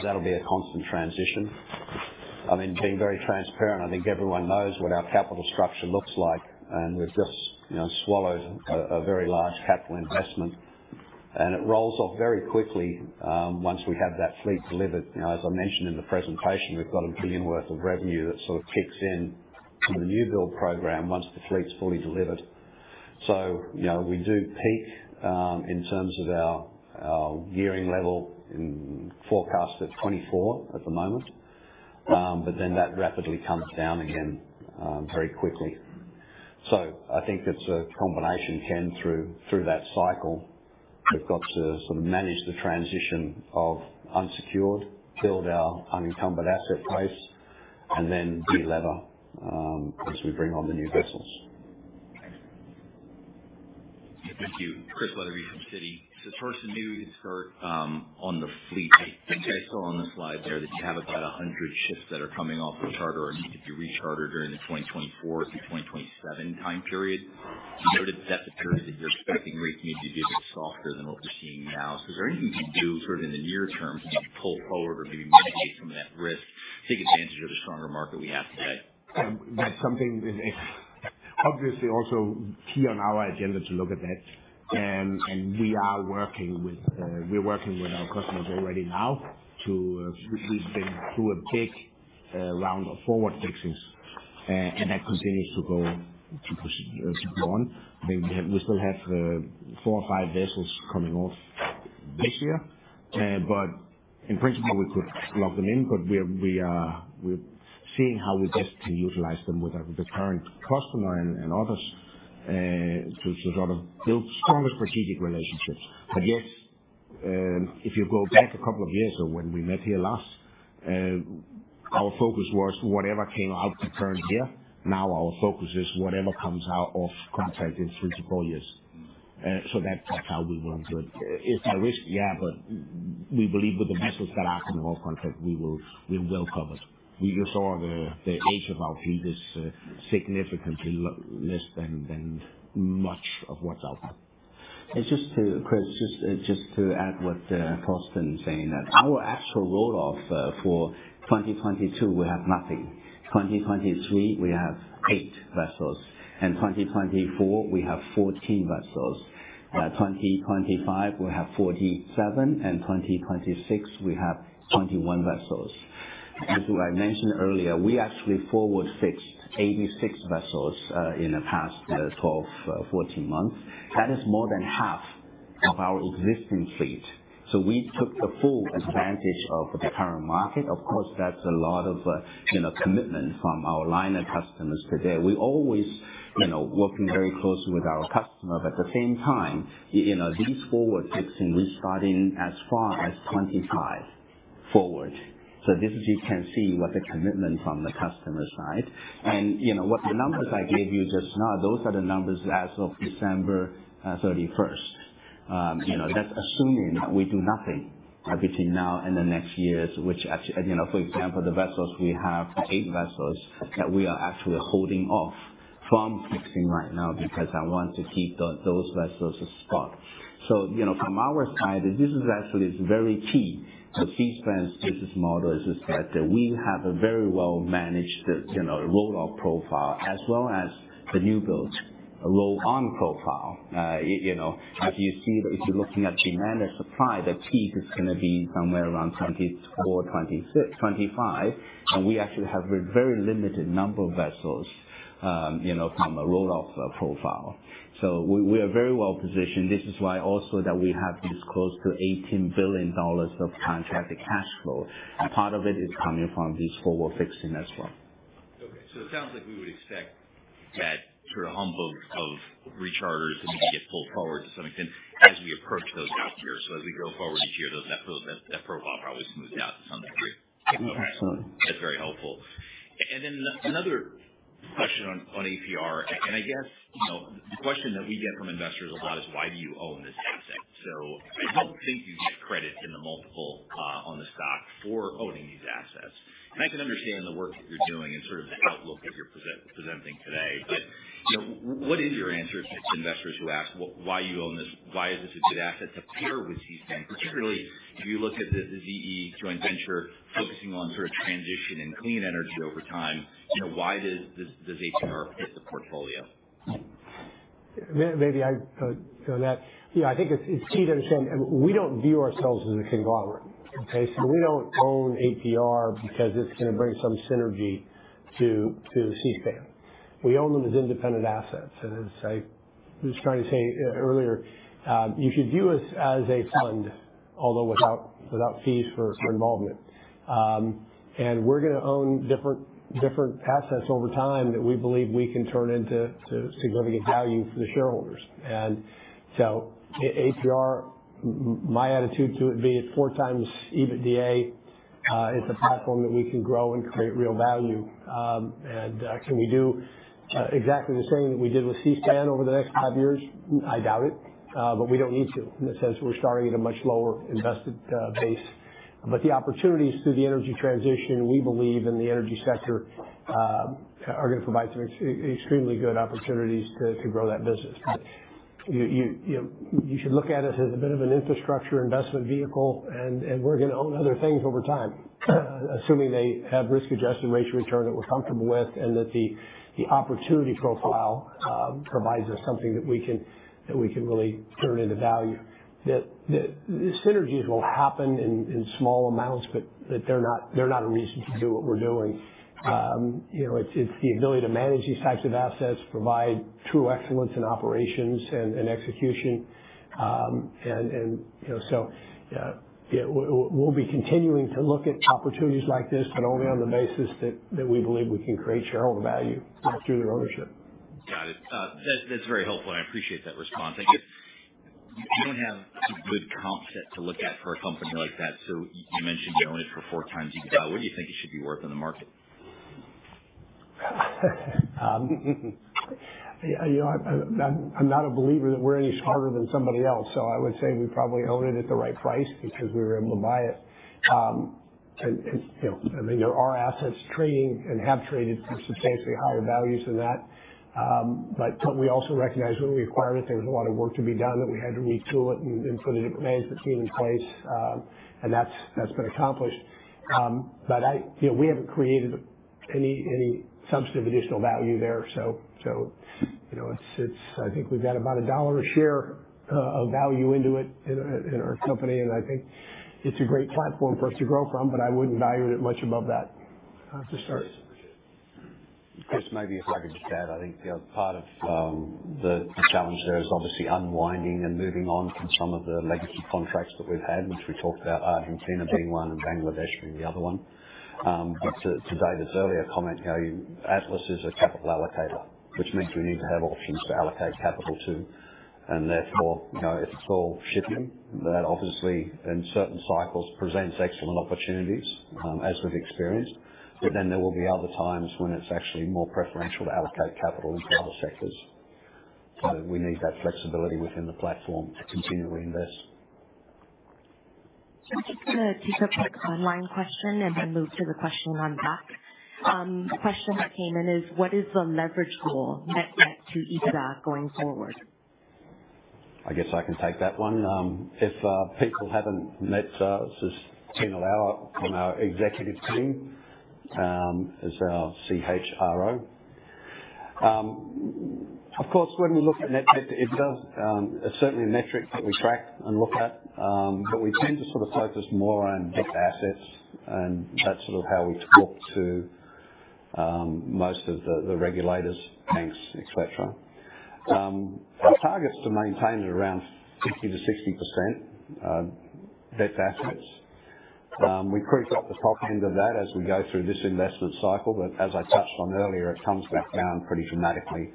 That'll be a constant transition. I mean, being very transparent, I think everyone knows what our capital structure looks like, and we've just, you know, swallowed a very large capital investment. It rolls off very quickly, once we have that fleet delivered. You know, as I mentioned in the presentation, we've got $1 billion worth of revenue that sort of kicks in from the new build program once the fleet's fully delivered. You know, we do peak, in terms of our gearing level and forecast at 24 at the moment. Then that rapidly comes down again, very quickly. I think it's a combination, Ken, through that cycle. We've got to sort of manage the transition of unsecured, build our unencumbered asset base, and then delever, as we bring on the new vessels. Thank you. Chris Wetherbee from Citi. First, maybe it's Gert, on the fleet. I think I saw on the slide there that you have about 100 ships that are coming off of charter or need to be rechartered during the 2024 through 2027 time period. Is that the period that you're expecting rates maybe to be a bit softer than what we're seeing now? Is there anything you can do sort of in the near term to pull forward or maybe mitigate some of that risk, take advantage of the stronger market we have today? That's something that obviously is also key on our agenda to look at that. We're working with our customers already now to. We've been through a big round of forward fixings. That continues to go on. I think we still have four or five vessels coming off this year. In principle, we could lock them in, but we're seeing how we best can utilize them with the current customer and others to sort of build stronger strategic relationships. Yes, if you go back a couple of years ago when we met here last, our focus was whatever came out the current year. Now our focus is whatever comes out of contract in three to four years. That, that's how we want to do it. Is there a risk? Yeah, but we believe with the vessels that are coming off contract, we're well covered. We just saw the age of our fleet is significantly less than much of what's out there. Just to Chris, just to add what Torsten is saying. That our actual roll-off for 2022, we have nothing. 2023, we have eight vessels. In 2024, we have 14 vessels. 2025, we have 47. In 2026, we have 21 vessels. As I mentioned earlier, we actually forward fixed 86 vessels in the past 12, 14 months. That is more than half of our existing fleet. We took the full advantage of the current market. Of course, that's a lot of you know, commitment from our liner customers today. We always you know, working very closely with our customers. At the same time, you know, these forward fixing we starting as far as 2025 forward. This you can see what the commitment from the customer side. You know, what the numbers I gave you just now, those are the numbers as of December 31st. You know, that's assuming that we do nothing between now and the next years, which you know, for example, the vessels, we have eight vessels that we are actually holding off from fixing right now because I want to keep those vessels spot. You know, from our side, this is actually very key to Seaspan's business model, that we have a very well managed, you know, roll-off profile as well as the newbuild, a roll-on profile. You know, as you see, if you're looking at demand and supply, the peak is gonna be somewhere around 2024, 2025. We actually have a very limited number of vessels, you know, from a roll-off profile. We are very well positioned. This is why also that we have this close to $18 billion of contracted cash flow. Part of it is coming from this forward fixing as well. Okay, it sounds like we would expect that sort of a humps of recharters to maybe get pulled forward to some extent as we approach those out years. As we go forward each year, that profile probably smooths out to some degree. Absolutely. That's very helpful. Another question on APR. I guess, you know, the question that we get from investors a lot is why do you own this asset? I don't think you get credit in the multiple on the stock for owning these assets. I can understand the work that you're doing and sort of the outlook that you're presenting today. You know, what is your answer to investors who ask why you own this? Why is this a good asset to pair with Seaspan? Particularly if you look at the VE joint venture focusing on sort of transition and clean energy over time, you know, why does HCR fit the portfolio? Maybe I go on that. Yeah, I think it's key to understand we don't view ourselves as a conglomerate, okay. We don't own APR because it's gonna bring some synergy to Seaspan. We own them as independent assets. As I was trying to say earlier, you should view us as a fund, although without fees for involvement. We're gonna own different assets over time that we believe we can turn into significant value for the shareholders. APR, my attitude to it being it's 4x EBITDA, is a platform that we can grow and create real value. Can we do exactly the same that we did with Seaspan over the next five years? I doubt it, but we don't need to. In a sense, we're starting at a much lower invested base. The opportunities through the energy transition, we believe in the energy sector, are gonna provide some extremely good opportunities to grow that business. You know, you should look at it as a bit of an infrastructure investment vehicle, and we're gonna own other things over time, assuming they have risk-adjusted return that we're comfortable with, and that the opportunity profile provides us something that we can really turn into value. The synergies will happen in small amounts, but they're not a reason to do what we're doing. You know, it's the ability to manage these types of assets, provide true excellence in operations and execution. You know, we'll be continuing to look at opportunities like this, but only on the basis that we believe we can create shareholder value through the ownership. Got it. That's very helpful, and I appreciate that response. I guess you don't have a good comp set to look at for a company like that. You mentioned you own it for 4x EBITDA. What do you think it should be worth on the market? You know, I'm not a believer that we're any smarter than somebody else, so I would say we probably own it at the right price because we were able to buy it. You know, I mean, there are assets trading and have traded for substantially higher values than that. But what we also recognize when we acquired it, there was a lot of work to be done, that we had to retool it and put a different management team in place. That's been accomplished. You know, we haven't created any substantive additional value there. You know, it's. I think we've got about $1 a share of value into it in our company and I think it's a great platform for us to grow from, but I wouldn't value it much above that to start. Appreciate it. Chris, maybe if I could just add, I think, you know, part of, the challenge there is obviously unwinding and moving on from some of the legacy contracts that we've had, which we talked about Argentina being one and Bangladesh being the other one. To David's earlier comment, you know, Atlas is a capital allocator, which means we need to have options to allocate capital to, and therefore, you know, if it's all shipping, that obviously in certain cycles presents excellent opportunities, as we've experienced. Then there will be other times when it's actually more preferential to allocate capital into other sectors. We need that flexibility within the platform to continually invest. I'm just gonna tee up an online question and then move to the question on deck. The question that came in is: What is the leverage goal, net debt to EBITDA going forward? I guess I can take that one. If people haven't met, this is Tina Lai from our executive team, as our CHRO. Of course, when we look at net debt, it's certainly a metric that we track and look at. We tend to sort of focus more on debt to assets, and that's sort of how we talk to most of the regulators, banks, et cetera. Our target is to maintain it around 50%-60%, debt to assets. We creep up the top end of that as we go through this investment cycle, but as I touched on earlier, it comes back down pretty dramatically,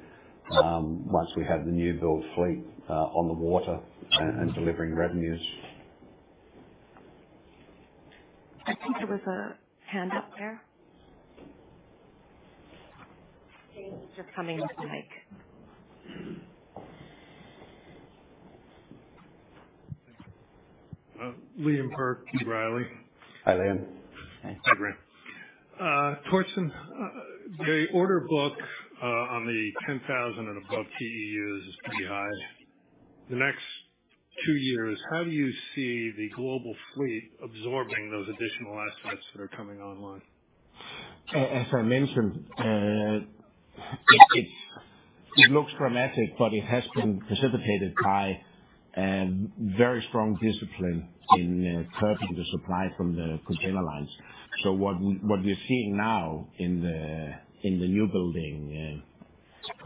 once we have the new build fleet on the water and delivering revenues. I think there was a hand up there. Just come in to the mic. Liam Burke, B. Riley. Hi, Liam. Hi, Graham. Torsten, the order book on the 10,000 and above TEUs is pretty high. The next two years, how do you see the global fleet absorbing those additional assets that are coming online? As I mentioned, it looks dramatic, but it has been precipitated by very strong discipline in curbing the supply from the container lines. What we're seeing now in the newbuilding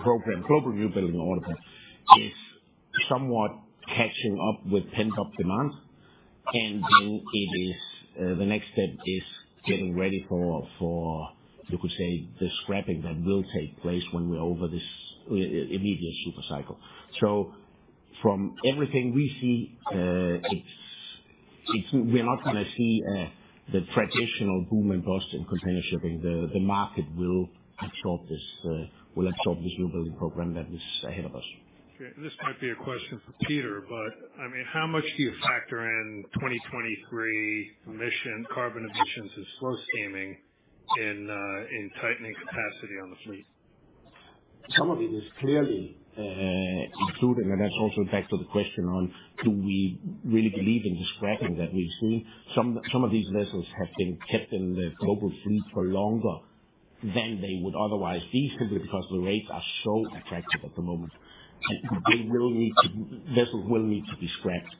program, global newbuilding order book, is somewhat catching up with pent-up demand. Then the next step is getting ready for, you could say, the scrapping that will take place when we're over this immediate supercycle. From everything we see, we're not gonna see the traditional boom and bust in container shipping. The market will absorb this newbuilding program that is ahead of us. Okay, this might be a question for Peter, but I mean, how much do you factor in 2023 emissions, carbon emissions and slow steaming in tightening capacity on the fleet? Some of it is clearly included, and that's also back to the question on do we really believe in the scrapping that we've seen. Some of these vessels have been kept in the global fleet for longer than they would otherwise be, simply because the rates are so attractive at the moment. Vessels will need to be scrapped.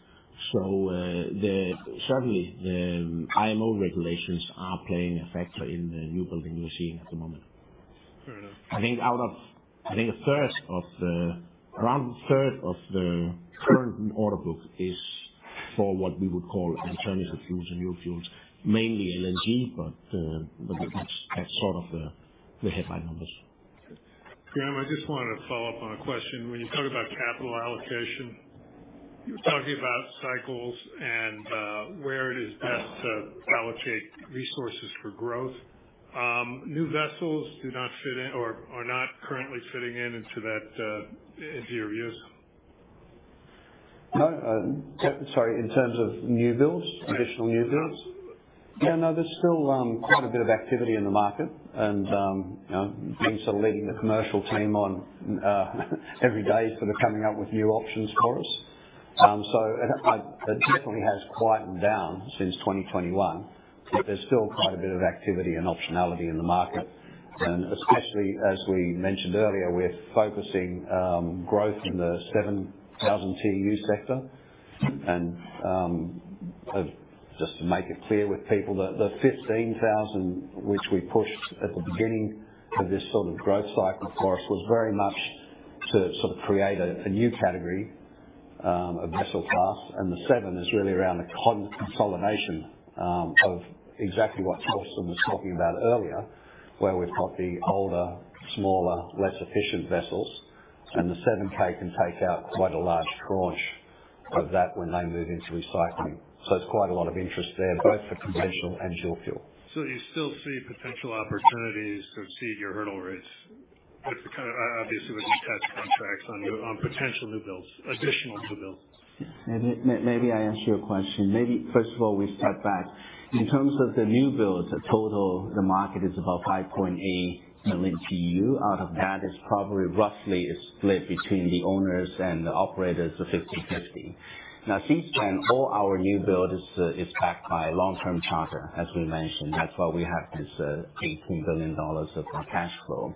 Certainly, the IMO regulations are playing a factor in the new building we're seeing at the moment. Fair enough. Around a third of the current order book is for what we would call alternative fuels and new fuels. Mainly LNG, but that's sort of the headline numbers. Graham, I just wanted to follow up on a question. When you talk about capital allocation, you're talking about cycles and where it is best to allocate resources for growth. New vessels do not fit in or not currently fitting into that, into your views? No, sorry, in terms of new builds? Additional new builds? Yeah. Yeah, no, there's still quite a bit of activity in the market. You know, Ming is leading the commercial team on every day sort of coming up with new options for us. It definitely has quieted down since 2021, but there's still quite a bit of activity and optionality in the market. Especially as we mentioned earlier, we're focusing growth in the 7,000 TEU sector. Just to make it clear with people, the 15,000 which we pushed at the beginning of this sort of growth cycle for us was very much to sort of create a new category of vessel class. The seven is really around the consolidation of exactly what Torsten was talking about earlier, where we've got the older, smaller, less efficient vessels. The 7,000 can take out quite a large tranche of that when they move into recycling. There's quite a lot of interest there, both for conventional and dual fuel. You still see potential opportunities to exceed your hurdle rates, obviously, with the test contracts on potential new builds, additional new builds. Maybe I answer your question. Maybe first of all, we step back. In terms of the new builds, total, the market is about 5.8 million TEU. Out of that, it's probably roughly split between the owners and the operators of 50/50. Now, Seaspan, all our new build is backed by long-term charter, as we mentioned. That's why we have this $18 billion of our cash flow.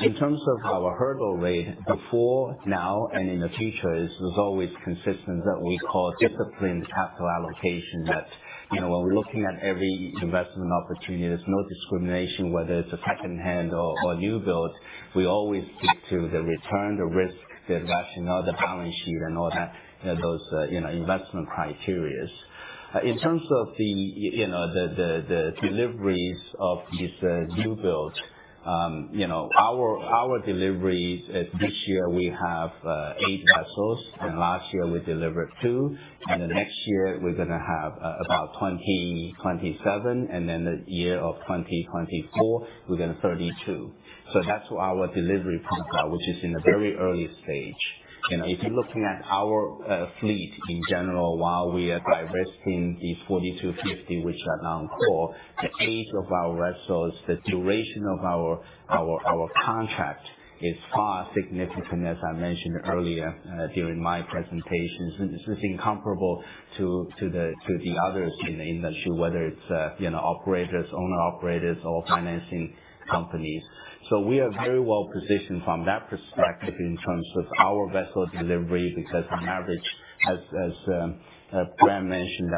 In terms of our hurdle rate, before, now, and in the future was always consistent that we call disciplined capital allocation. That, you know, when we're looking at every investment opportunity, there's no discrimination whether it's a secondhand or new build. We always stick to the return, the risk, the rationale, the balance sheet and all that, those, you know, investment criteria. In terms of the, you know, the deliveries of these new builds, you know, our deliveries this year we have eight vessels. Last year we delivered two. Next year we're gonna have about 27, and then in 2024, we're gonna have 32. So that's our delivery profile, which is in the very early stage. You know, if you're looking at our fleet in general, while we are divesting the 42, 50, which are non-core, the age of our vessels, the duration of our contract is far significant as I mentioned earlier during my presentation. So this is incomparable to the others in the industry, whether it's operators, owner-operators or financing companies. We are very well positioned from that perspective in terms of our vessel delivery, because on average, Graham mentioned,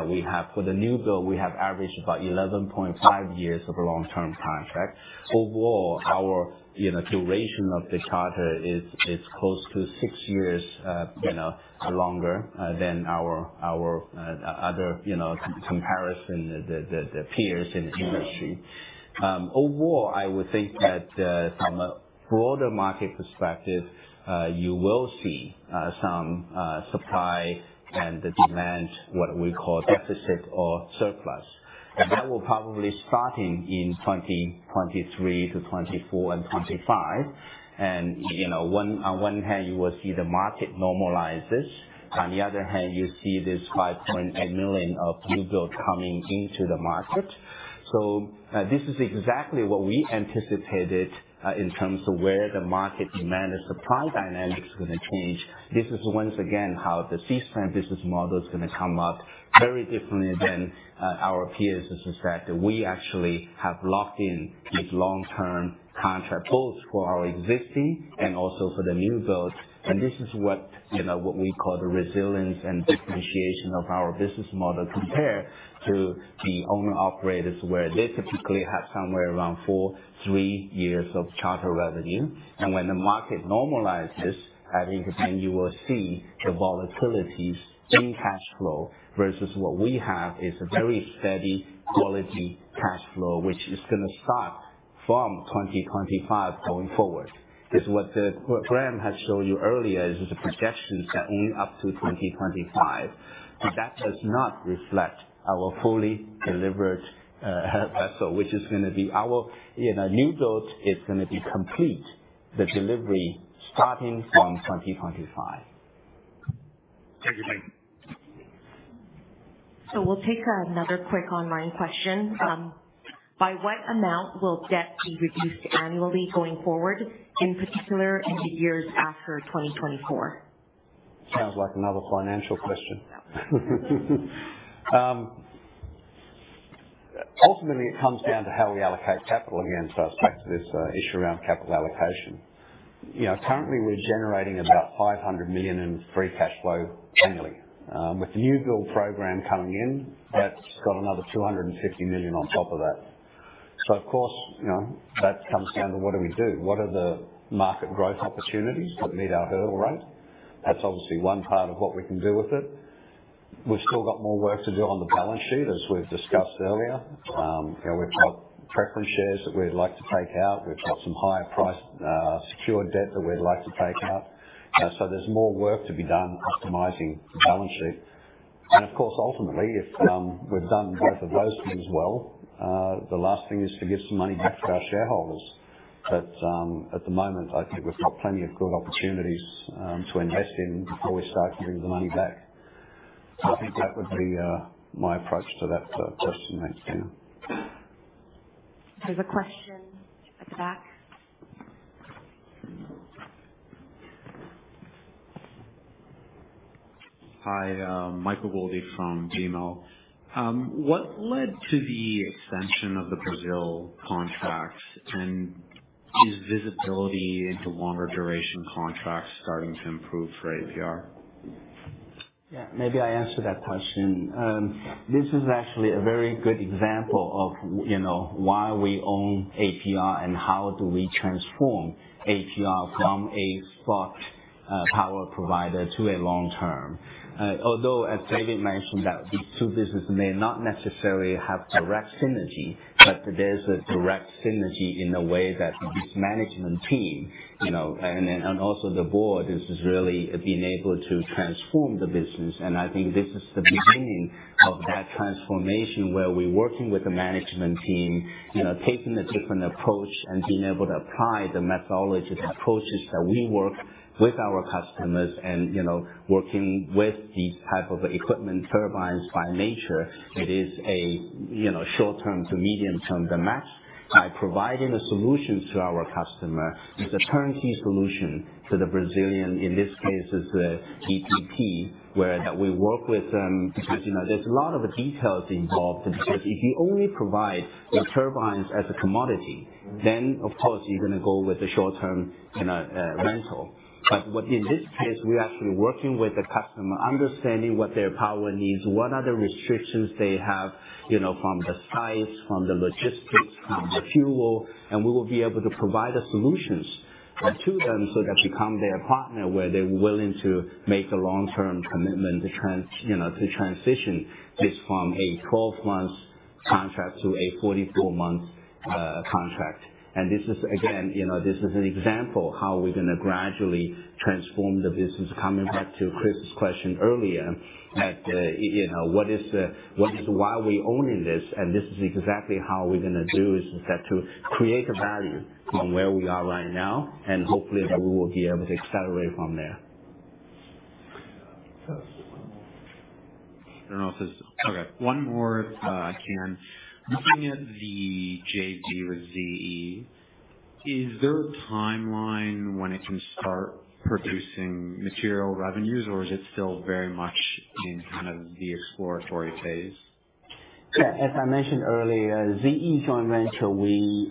for the new build, we have average about 11.5 years of a long-term contract. Overall, our, you know, duration of the charter is close to six years, you know, longer than our other, you know, comparison, the peers in the industry. Overall, I would think that from a broader market perspective, you will see some supply and the demand, what we call deficit or surplus. That will probably starting in 2023 to 2024 and 2025. You know, on one hand, you will see the market normalizes. On the other hand, you see this 5.8 million of new build coming into the market. This is exactly what we anticipated in terms of where the market demand and supply dynamic is gonna change. This is once again how the Seaspan business model is gonna come up very differently than our peers is the fact that we actually have locked in these long-term contract both for our existing and also for the new builds. This is what, you know, what we call the resilience and differentiation of our business model compared to the owner-operators, where they typically have somewhere around three to four years of charter revenue. When the market normalizes, I think then you will see the volatilities in cash flow versus what we have is a very steady quality cash flow, which is gonna start from 2025 going forward. Because what Graham has shown you earlier is the projections are only up to 2025. That does not reflect our fully delivered vessel, which is gonna be our you know new builds is gonna be complete, the delivery starting from 2025. Thank you, Bing. We'll take another quick online question. By what amount will debt be reduced annually going forward, in particular in the years after 2024? Sounds like another financial question. Ultimately, it comes down to how we allocate capital. Again, it's back to this issue around capital allocation. You know, currently we're generating about $500 million in free cash flow annually. With the new build program coming in, that's got another $250 million on top of that. Of course, you know, that comes down to what do we do? What are the market growth opportunities that meet our hurdle rate? That's obviously one part of what we can do with it. We've still got more work to do on the balance sheet, as we've discussed earlier. You know, we've got preference shares that we'd like to take out. We've got some higher priced secured debt that we'd like to take out. There's more work to be done optimizing the balance sheet. Of course, ultimately, if we've done both of those things well, the last thing is to give some money back to our shareholders. At the moment, I think we've got plenty of good opportunities to invest in before we start giving the money back. I think that would be my approach to that question, thanks, Tina. There's a question at the back. Hi, Michael Boldy from [Gmail]. What led to the extension of the Brazil contracts, and is visibility into longer duration contracts starting to improve for APR? Yeah, maybe I answer that question. This is actually a very good example of, you know, why we own APR and how do we transform APR from a spot power provider to a long term. Although as David mentioned, that the two business may not necessarily have direct synergy, but there is a direct synergy in the way that this management team, you know, and then, and also the board is just really being able to transform the business. I think this is the beginning of that transformation, where we're working with the management team, you know, taking a different approach and being able to apply the methodologies approaches that we work with our customers and, you know, working with these type of equipment turbines. By nature, it is a, you know, short-term to medium-term match. By providing the solutions to our customer, it's a turnkey solution to the Brazilian, in this case, is the EPE, where we work with them. As you know, there's a lot of details involved, because if you only provide the turbines as a commodity, then of course you're gonna go with the short-term, you know, rental. But what in this case, we're actually working with the customer, understanding what their power needs, what are the restrictions they have, you know, from the sites, from the logistics, from the fuel, and we will be able to provide a solutions to them so that become their partner, where they're willing to make a long-term commitment to you know, to transition this from a 12-month contract to a 44-month contract. This is, again, you know, this is an example how we're gonna gradually transform the business. Coming back to Chris' question earlier, that, you know, why we owning this? This is exactly how we're gonna do, is that to create a value from where we are right now and hopefully that we will be able to accelerate from there. Okay, one more, Ken. Looking at the JV with ZE, is there a timeline when it can start producing material revenues, or is it still very much in kind of the exploratory phase? Yeah, as I mentioned earlier, ZE joint venture, we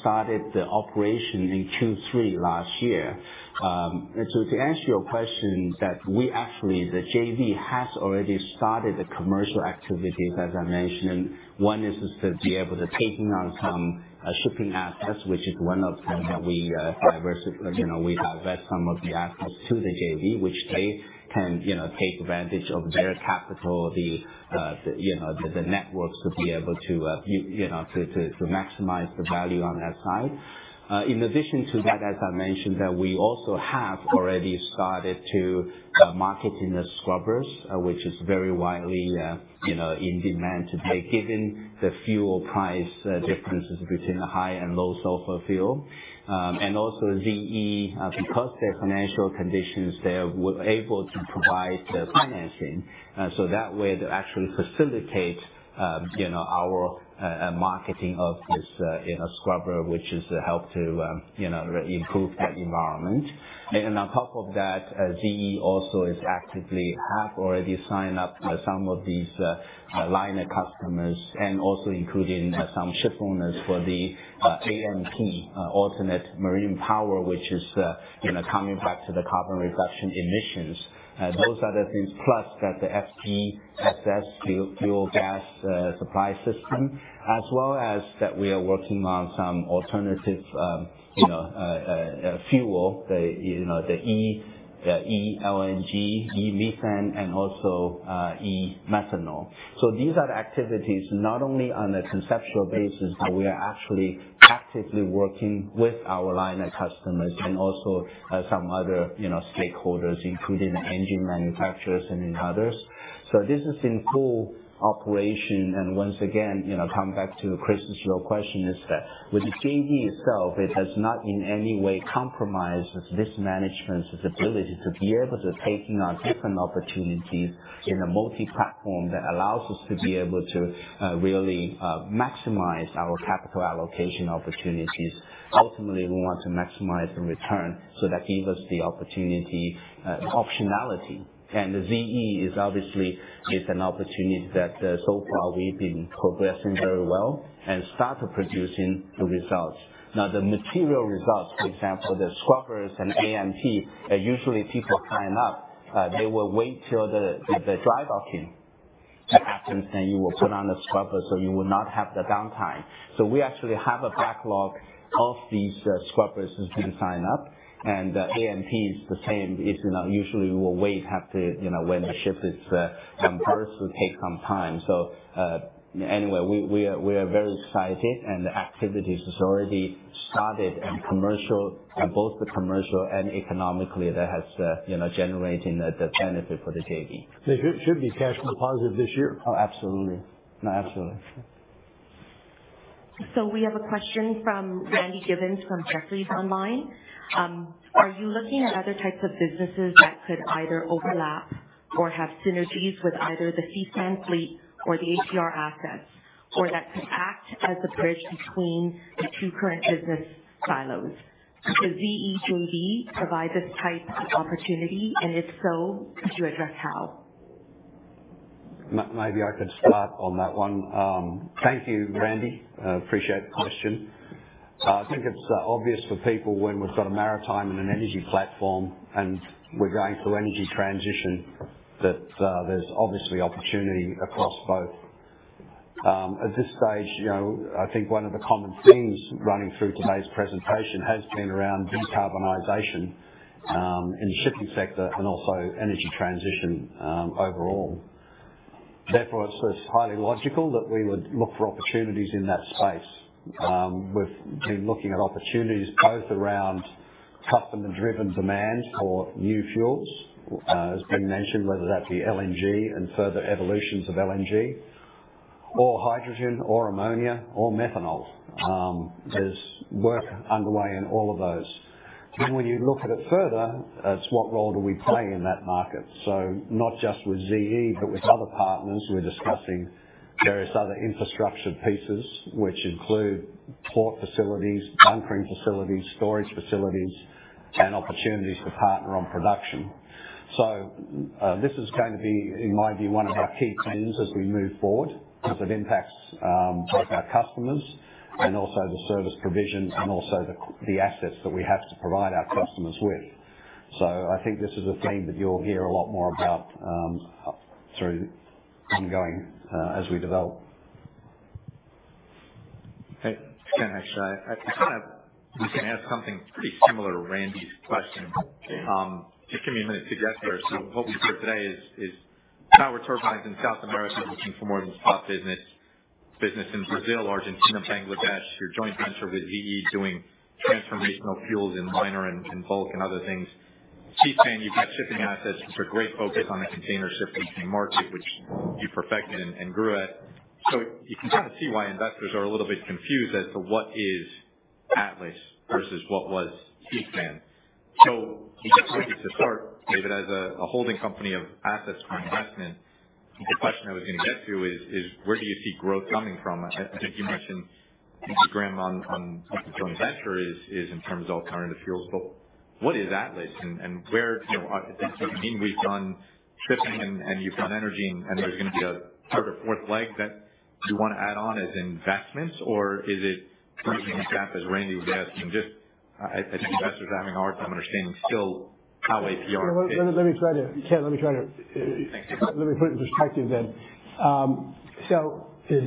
started the operation in Q3 last year. To answer your question that we actually, the JV has already started the commercial activities, as I mentioned. One is to be able to taking on some shipping assets, which is one of them that we diversify. You know, we have added some of the assets to the JV, which they can, you know, take advantage of their capital, the, you know, the networks to be able to, you know, to maximize the value on that side. In addition to that, as I mentioned, that we also have already started to marketing the scrubbers, which is very widely, you know, in demand to take, given the fuel price differences between the high and low sulfur fuel. Also ZE, because their financial conditions there, we're able to provide the financing. That way to actually facilitate, you know, our marketing of this, you know, scrubber, which helps to, you know, improve the environment. On top of that, ZE also has actively already signed up some of these liner customers, including some shipowners for the AMP, Alternative Maritime Power, which is, you know, coming back to the carbon reduction emissions. Those are the things plus the FGSS fuel gas supply system, as well as we are working on some alternative, you know, fuel. You know, the e-LNG, e-methane, and also e-methanol. These are activities not only on a conceptual basis, but we are actually actively working with our liner customers and also some other, you know, stakeholders, including the engine manufacturers and others. This is in full operation. Once again, you know, coming back to Chris' original question is that with the JV itself, it has not in any way compromised this management's ability to be able to taking on different opportunities in a multi-platform that allows us to be able to really maximize our capital allocation opportunities. Ultimately, we want to maximize the return so that gives us the opportunity, optionality. The ZE is obviously an opportunity that so far we've been progressing very well and started producing the results. Now, the material results, for example, the scrubbers and AMP, usually people sign up, they will wait till the dry docking to happen, then you will put on the scrubber so you will not have the downtime. We actually have a backlog of these scrubbers who have been signed up, and AMP is the same. It's you know usually we'll wait, have to you know when the ship is embargoed will take some time. Anyway, we are very excited and the activities has already started and commercial both the commercial and economically that has you know generating the benefit for the JV. The JV should be cash flow positive this year? Oh, absolutely. No, absolutely. We have a question from Randy Giveans from Jefferies online. Are you looking at other types of businesses that could either overlap or have synergies with either the Seaspan fleet or the APR assets, or that could act as a bridge between the two current business silos? Could ZE JV provide this type of opportunity, and if so, could you address how? Maybe I could start on that one. Thank you, Randy. I appreciate the question. I think it's obvious for people when we've got a maritime and an energy platform and we're going through energy transition that there's obviously opportunity across both. At this stage, you know, I think one of the common themes running through today's presentation has been around decarbonization in the shipping sector and also energy transition overall. Therefore, it's highly logical that we would look for opportunities in that space. We've been looking at opportunities both around customer-driven demand for new fuels, as has been mentioned, whether that be LNG and further evolutions of LNG or hydrogen or ammonia or methanol. There's work underway in all of those. When you look at it further, it's what role do we play in that market? Not just with ZE, but with other partners, we're discussing various other infrastructure pieces, which include port facilities, bunkering facilities, storage facilities, and opportunities to partner on production. This is going to be, in my view, one of our key themes as we move forward because it impacts both our customers and also the service provisions and also the assets that we have to provide our customers with. I think this is a theme that you'll hear a lot more about through ongoing as we develop. Hey, Ken, actually I kind of was gonna ask something pretty similar to Randy's question. Okay. Just give me a minute to get there. What we see today is power turbines in South America looking for more than spot business. Business in Brazil, Argentina, Bangladesh, your joint venture with ZE doing transformational fuels in minor and bulk and other things. Seaspan, you've got shipping assets with a great focus on the container shipping market, which you perfected and grew at. You can kind of see why investors are a little bit confused as to what is Atlas versus what was Seaspan. Just wanted to start, David, as a holding company of assets for investment, the question I was gonna get to is where do you see growth coming from? I think you mentioned the program on the joint venture is in terms of alternative fuels. What is Atlas and where, you know, does that mean we've done shipping and you've done energy and there's gonna be a sort of fourth leg that you wanna add on as investments? Or is it pretty much that, as Randy was asking, just I think investors are having a hard time understanding still how APR fits. Yeah. Ken, let me try to Thanks. Let me put it in perspective then.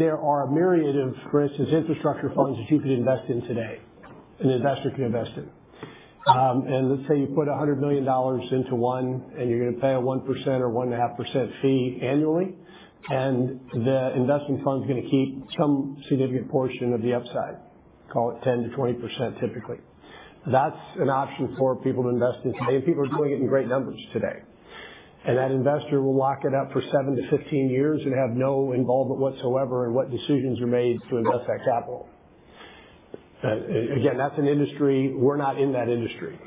There are a myriad of, for instance, infrastructure funds that you could invest in today, an investor could invest in. Let's say you put $100 million into one, and you're gonna pay a 1% or 1.5% fee annually, and the investment fund's gonna keep some significant portion of the upside, call it 10%-20% typically. That's an option for people to invest in today, and people are doing it in great numbers today. That investor will lock it up for 7-15 years and have no involvement whatsoever in what decisions are made to invest that capital. That's an industry. We're not in that industry.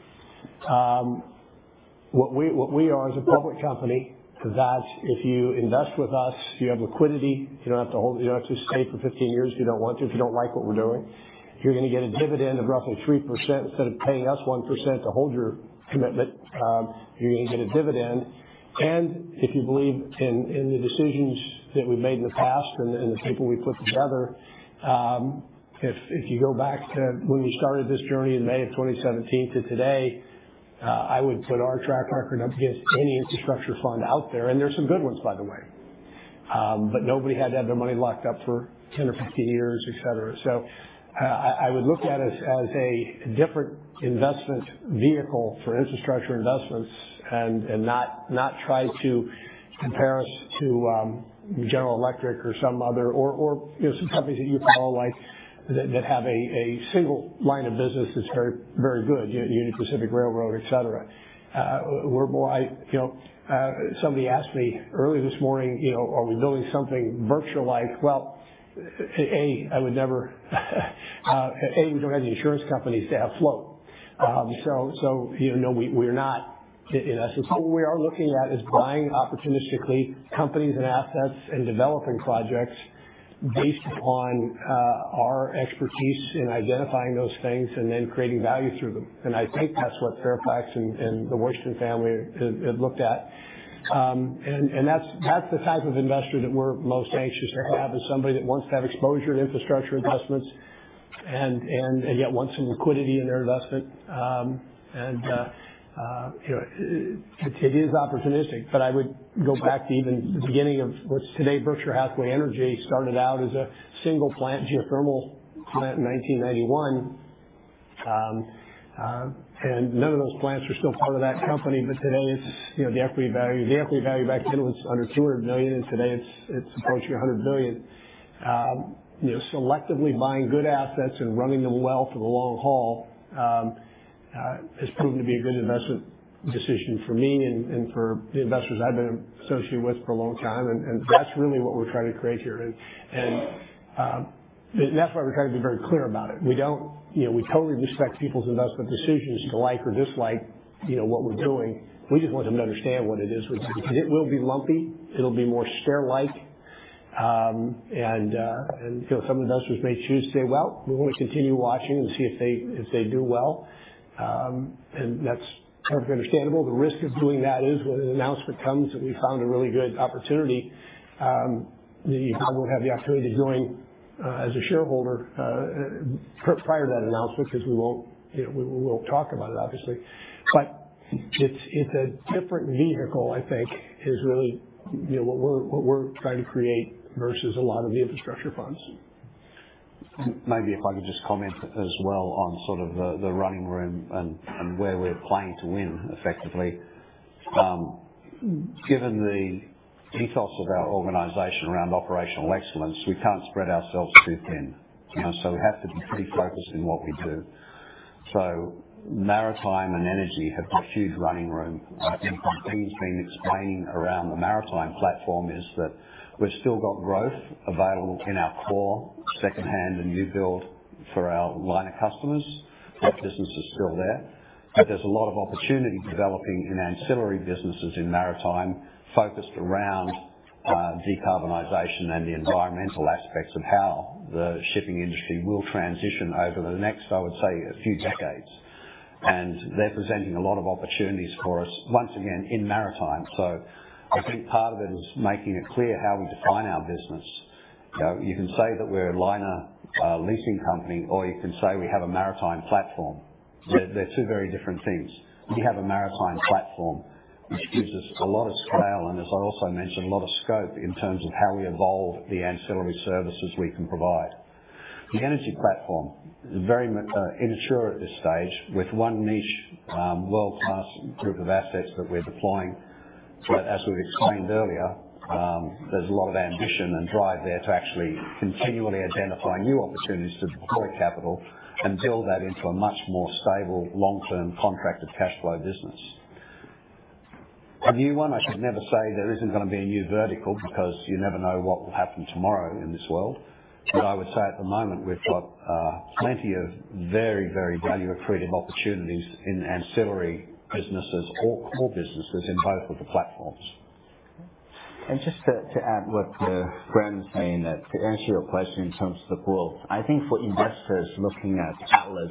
What we are as a public company is that if you invest with us, you have liquidity. You don't have to stay for 15 years if you don't want to, if you don't like what we're doing. You're gonna get a dividend of roughly 3%. Instead of paying us 1% to hold your commitment, you're gonna get a dividend. If you believe in the decisions that we've made in the past and the people we've put together, if you go back to when we started this journey in May of 2017 to today, I would put our track record up against any infrastructure fund out there, and there's some good ones, by the way. Nobody had to have their money locked up for 10 or 15 years, et cetera. I would look at us as a different investment vehicle for infrastructure investments and not try to compare us to General Electric or some other, you know, some companies that you call like that that have a single line of business that's very good, Union Pacific Railroad, et cetera. We're more. I, you know, somebody asked me earlier this morning, you know, are we building something Berkshire-like? Well, I would never, I, we don't have the insurance companies to have float. You know, we're not in essence. What we are looking at is buying opportunistically companies and assets and developing projects based upon our expertise in identifying those things and then creating value through them. I think that's what Fairfax and the Washington Family have looked at. That's the type of investor that we're most anxious to have, is somebody that wants to have exposure to infrastructure investments and yet wants some liquidity in their investment. You know, it is opportunistic, but I would go back to even the beginning of what's today Berkshire Hathaway Energy started out as a single plant, geothermal plant in 1991. None of those plants are still part of that company, but today it's you know, the equity value back then was under $200 million, and today it's approaching $100 billion. You know, selectively buying good assets and running them well for the long haul has proven to be a good investment decision for me and for the investors I've been associated with for a long time. That's really what we're trying to create here. That's why we're trying to be very clear about it. We don't. You know, we totally respect people's investment decisions to like or dislike, you know, what we're doing. We just want them to understand what it is we do. Because it will be lumpy, it'll be more stair-like. Some investors may choose to say, "Well, we want to continue watching and see if they do well." That's perfectly understandable. The risk of doing that is when an announcement comes that we found a really good opportunity, that you probably won't have the opportunity to join as a shareholder prior to that announcement, because we won't, you know, we won't talk about it, obviously. It's a different vehicle, I think, is really, you know, what we're trying to create versus a lot of the infrastructure funds. Maybe if I could just comment as well on sort of the running room and where we're playing to win effectively. Given the ethos of our organization around operational excellence, we can't spread ourselves too thin. You know, we have to be pretty focused in what we do. Maritime and energy have got huge running room. I think what Bing's been explaining around the maritime platform is that we've still got growth available in our core secondhand and new build for our liner customers. That business is still there. There's a lot of opportunity developing in ancillary businesses in maritime focused around decarbonization and the environmental aspects of how the shipping industry will transition over the next, I would say, a few decades. They're presenting a lot of opportunities for us once again in maritime. I think part of it is making it clear how we define our business. You know, you can say that we're a liner leasing company, or you can say we have a maritime platform. They're two very different things. We have a maritime platform, which gives us a lot of scale, and as I also mentioned, a lot of scope in terms of how we evolve the ancillary services we can provide. The energy platform is very immature at this stage with one niche, world-class group of assets that we're deploying. But as we've explained earlier, there's a lot of ambition and drive there to actually continually identify new opportunities to deploy capital and build that into a much more stable long-term contracted cash flow business. A new one, I should never say there isn't gonna be a new vertical because you never know what will happen tomorrow in this world. I would say at the moment, we've got plenty of very, very value accretive opportunities in ancillary businesses or core businesses in both of the platforms. Just to add what Graham was saying, that to answer your question in terms of the growth, I think for investors looking at Atlas,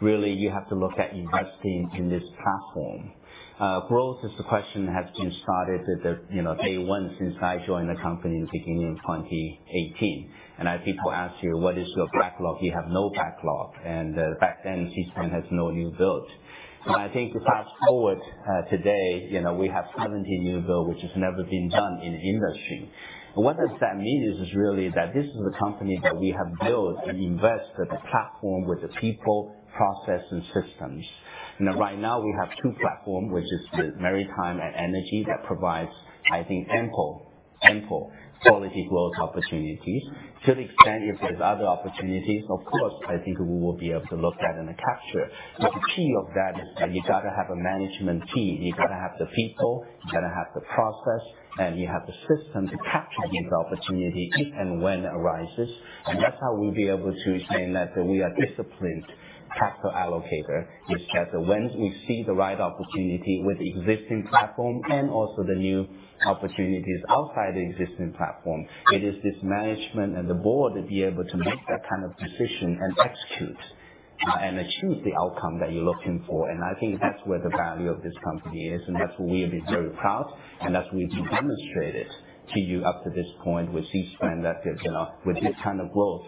really you have to look at investing in this platform. Growth is the question that has been started at the day one since I joined the company in the beginning of 2018. As people ask you, what is your backlog? You have no backlog. Back then, Seaspan has no new build. I think to fast-forward, today, you know, we have 70 new build, which has never been done in industry. What does that mean is really that this is a company that we have built and invested the platform with the people, process, and systems. Now, right now we have two platform, which is the maritime and energy, that provides, I think, ample quality growth opportunities. To the extent if there's other opportunities, of course, I think we will be able to look at and capture. The key of that is that you gotta have a management team. You gotta have the people, you gotta have the process, and you have the system to capture these opportunities if and when arises. That's how we'll be able to say that we are disciplined capital allocator, which is that when we see the right opportunity with existing platform and also the new opportunities outside the existing platform, it is this management and the board that be able to make that kind of decision and execute, and achieve the outcome that you're looking for. I think that's where the value of this company is, and that's what we have been very proud, and that we've demonstrated to you up to this point with Seaspan that there's, you know, with this kind of growth,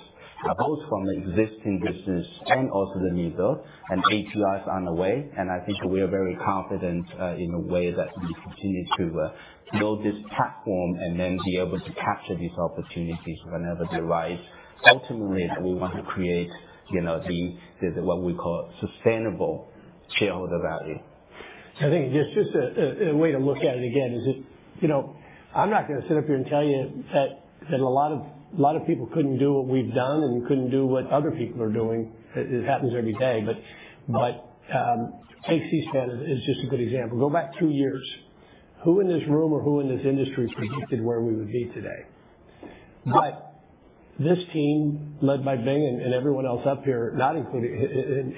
both from the existing business and also the new build and TEUs on the way. I think we are very confident, in the way that we continue to, build this platform and then be able to capture these opportunities whenever they arise. Ultimately, we want to create, you know, the what we call sustainable shareholder value. I think just a way to look at it again is that, you know, I'm not gonna sit up here and tell you that a lot of people couldn't do what we've done and couldn't do what other people are doing. It happens every day. Take Seaspan as just a good example. Go back two years. Who in this room or who in this industry predicted where we would be today? This team, led by Bing and everyone else up here,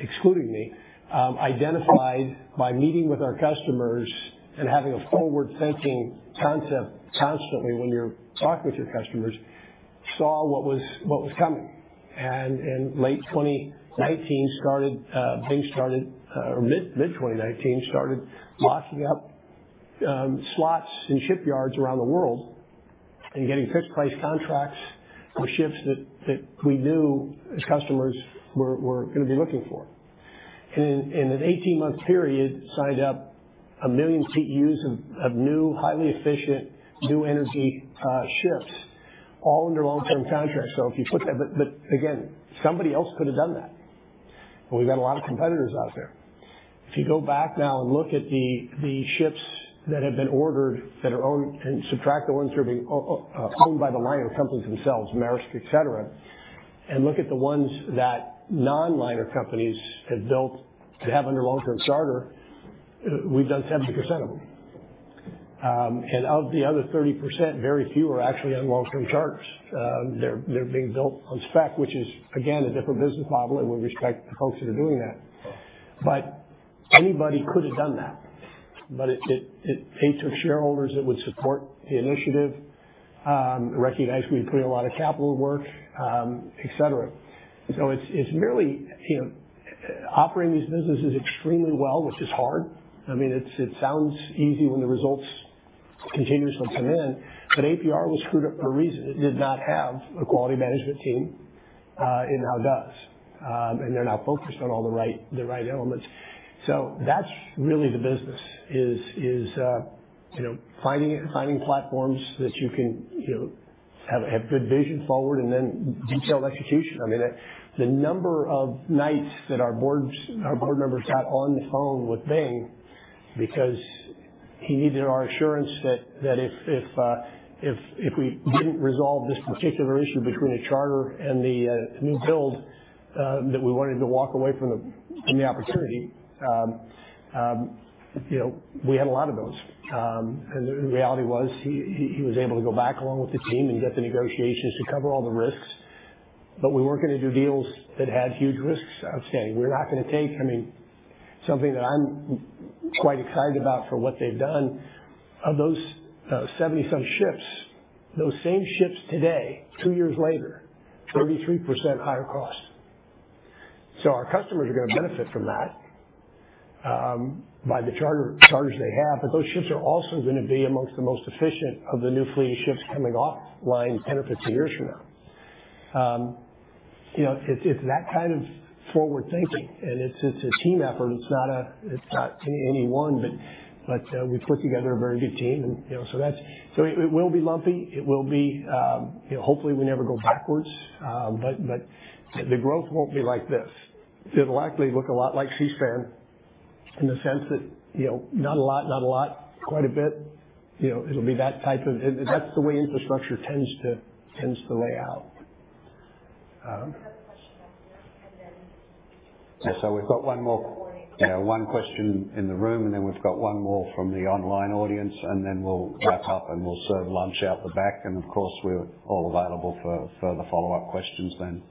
excluding me, identified by meeting with our customers and having a forward-thinking concept constantly when you're talking with your customers, saw what was coming. In late 2019, Bing started, or mid-2019, started locking up slots in shipyards around the world and getting fixed price contracts for ships that we knew his customers were gonna be looking for. In an 18-month period, signed up a million TEUs of new, highly efficient, new energy ships, all under long-term contracts. If you put that again, somebody else could have done that. We've got a lot of competitors out there. If you go back now and look at the ships that have been ordered that are owned, and subtract the ones who are being owned by the liner companies themselves, Maersk, et cetera, and look at the ones that non-liner companies have built to have under long-term charter, we've done 70% of them. Of the other 30%, very few are actually on long-term charters. They're being built on spec, which is again, a different business model, and we respect the folks that are doing that. Anybody could have done that. It takes some shareholders that would support the initiative, recognize we put in a lot of capital work, et cetera. It's merely, you know, operating these businesses extremely well, which is hard. I mean, it sounds easy when the results continuously come in. APR was screwed up for a reason. It did not have a quality management team. It now does. They're now focused on all the right elements. That's really the business is finding platforms that you can have good vision forward and then detailed execution. I mean, the number of nights that our board members sat on the phone with Bing because he needed our assurance that if we didn't resolve this particular issue between the charter and the new build that we wanted to walk away from the opportunity. You know, we had a lot of those. The reality was he was able to go back along with the team and get the negotiations to cover all the risks. We weren't gonna do deals that had huge risks outstanding. We're not gonna take. I mean, something that I'm quite excited about for what they've done, of those 70-some ships, those same ships today, two years later, 33% higher cost. Our customers are gonna benefit from that by the charters they have. But those ships are also gonna be among the most efficient of the new fleet of ships coming online 10 or 15 years from now. You know, it's that kind of forward thinking, and it's a team effort. It's not any one, but we put together a very good team and you know so that's it. It will be lumpy. It will be, you know, hopefully, we never go backwards. The growth won't be like this. It'll likely look a lot like Seaspan in the sense that, you know, not a lot, quite a bit. You know, it'll be that type of. That's the way infrastructure tends to lay out. We have a question back there. So we've got one more, you know, one question in the room, and then we've got one more from the online audience, and then we'll wrap up, and we'll serve lunch out the back. Of course, we're all available for further follow-up questions then.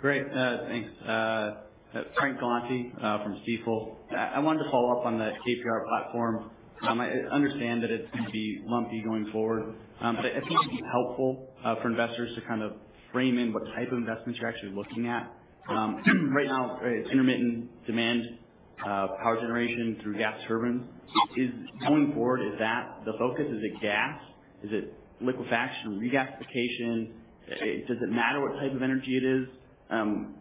Great. Thanks. Frank Galanti from Stifel. I wanted to follow up on the APR platform. I understand that it's gonna be lumpy going forward. I think it would be helpful for investors to kind of frame in what type of investments you're actually looking at. Right now, it's intermittent demand power generation through gas turbines. Going forward, is that the focus? Is it gas? Is it liquefaction, regasification? Does it matter what type of energy it is?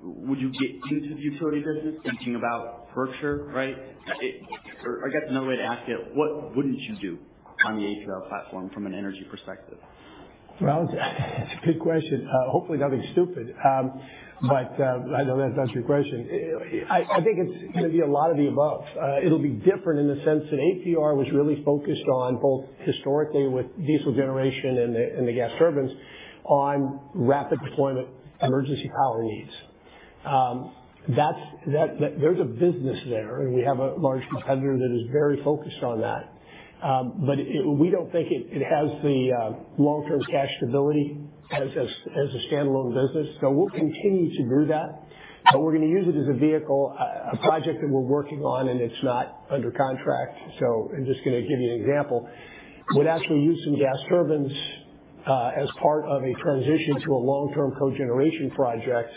Would you get into the utility business, thinking about Berkshire, right? I guess another way to ask it, what wouldn't you do on the APR platform from an energy perspective? Well, it's a good question. Hopefully nothing stupid. But I know that's not your question. I think it's gonna be a lot of the above. It'll be different in the sense that APR was really focused on both historically with diesel generation and the gas turbines on rapid deployment emergency power needs. That's a business there, and we have a large competitor that is very focused on that. But we don't think it has the long-term cash stability as a standalone business. So we'll continue to do that, but we're gonna use it as a vehicle. A project that we're working on, and it's not under contract, so I'm just gonna give you an example. We'd actually use some gas turbines as part of a transition to a long-term cogeneration project.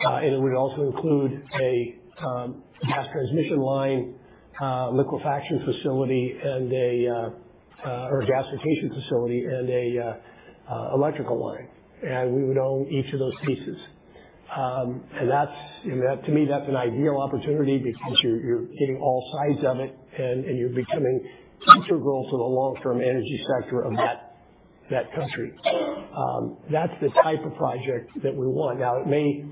It would also include a gas transmission line, liquefaction facility or a gasification facility and a electrical line. We would own each of those pieces. That's, you know, to me, an ideal opportunity because you're getting all sides of it and you're becoming central to the long-term energy sector of that country. That's the type of project that we want. Now, it may.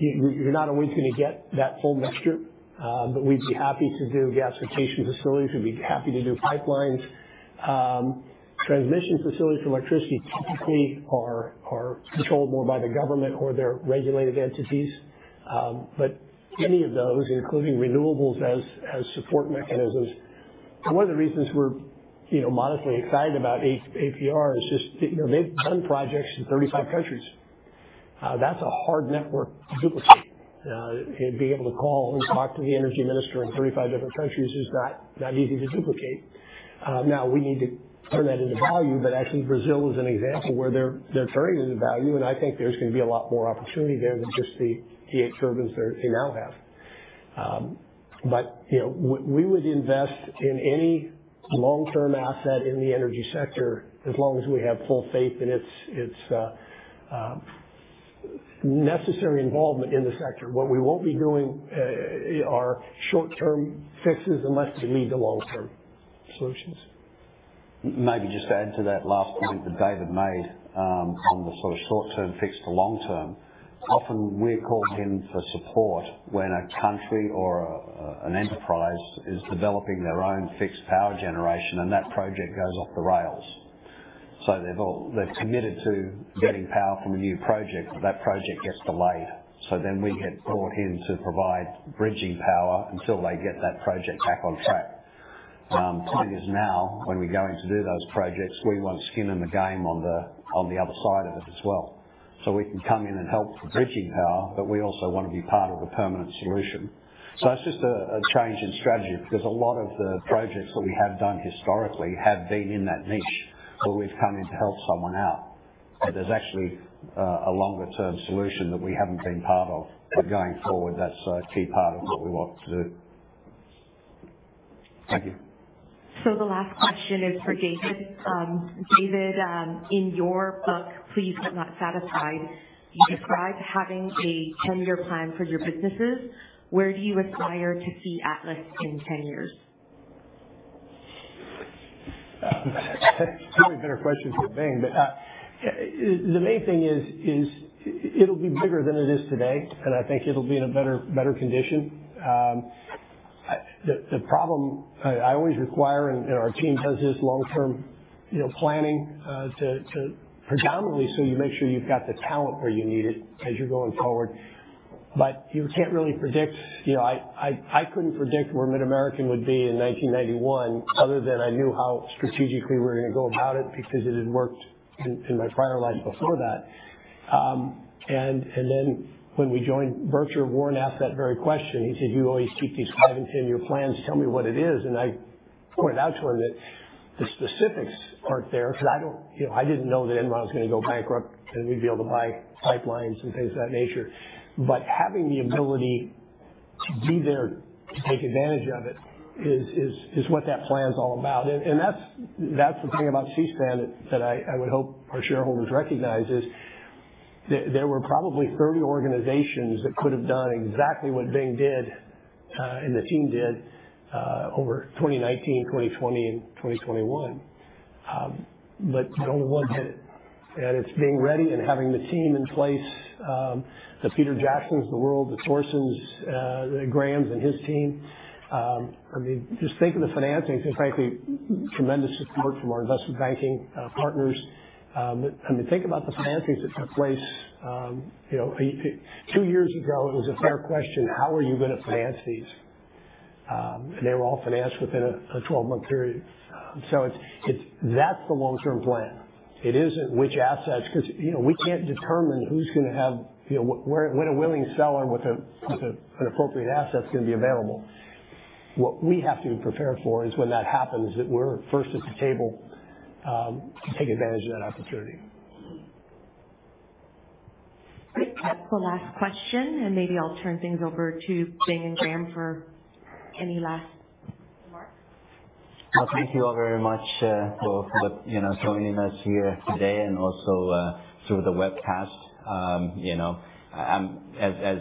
You're not always gonna get that full mixture, but we'd be happy to do gasification facilities. We'd be happy to do pipelines. Transmission facilities for electricity typically are controlled more by the government or their regulated entities. Any of those, including renewables as support mechanisms. One of the reasons we're modestly excited about APR is just they've done projects in 35 countries. That's a hard network to duplicate. Being able to call and talk to the energy minister in 35 different countries is not easy to duplicate. Now we need to turn that into value, but actually Brazil is an example where they're turning it into value, and I think there's gonna be a lot more opportunity there than just the eight turbines they now have. We would invest in any long-term asset in the energy sector as long as we have full faith in its necessary involvement in the sector. What we won't be doing are short-term fixes unless they lead to long-term solutions. Maybe just to add to that last point that David made, on the sort of short term fix to long term. Often we're called in for support when a country or an enterprise is developing their own fixed power generation and that project goes off the rails. They've committed to getting power from a new project, but that project gets delayed. We get brought in to provide bridging power until they get that project back on track. Point is now when we're going to do those projects, we want skin in the game on the other side of it as well. We can come in and help with bridging power, but we also want to be part of the permanent solution. It's just a change in strategy because a lot of the projects that we have done historically have been in that niche where we've come in to help someone out. There's actually a longer term solution that we haven't been part of. Going forward, that's a key part of what we want to do. Thank you. The last question is for David. David, in your book, Pleased But Not Satisfied, you describe having a ten-year plan for your businesses. Where do you aspire to see Atlas in ten years? That's probably a better question for Bing. The main thing is it'll be bigger than it is today, and I think it'll be in a better condition. The problem I always require, and our team does this long term, you know, planning, to predominantly so you make sure you've got the talent where you need it as you're going forward. You can't really predict. You know, I couldn't predict where MidAmerican would be in 1991 other than I knew how strategically we were going to go about it because it had worked in my prior life before that. Then when we joined Berkshire, Warren asked that very question. He said, "You always keep these five and 10-year plans. Tell me what it is." I pointed out to him that the specifics aren't there because I don't, you know, I didn't know that Enron was going to go bankrupt, and we'd be able to buy pipelines and things of that nature. Having the ability to be there to take advantage of it is what that plan is all about. That's the thing about Seaspan that I would hope our shareholders recognize is that there were probably 30 organizations that could have done exactly what Bing did, and the team did, over 2019, 2020 and 2021. Only one did it. It's being ready and having the team in place, the Peter Jacksons of the world, the Torstens, the Grahams, and his team. I mean, just think of the financing, frankly, tremendous support from our investment banking partners. I mean, think about the financings that took place. You know, two years ago, it was a fair question, how are you going to finance these? They were all financed within a 12-month period. It's the long-term plan. It isn't which assets, because you know, we can't determine who's going to have, you know, when a willing seller with an appropriate asset is going to be available. What we have to prepare for is when that happens, that we're first at the table to take advantage of that opportunity. I think that's the last question, and maybe I'll turn things over to Bing and Graham for any last remarks. Well, thank you all very much, for, you know, joining us here today and also, through the webcast. You know, as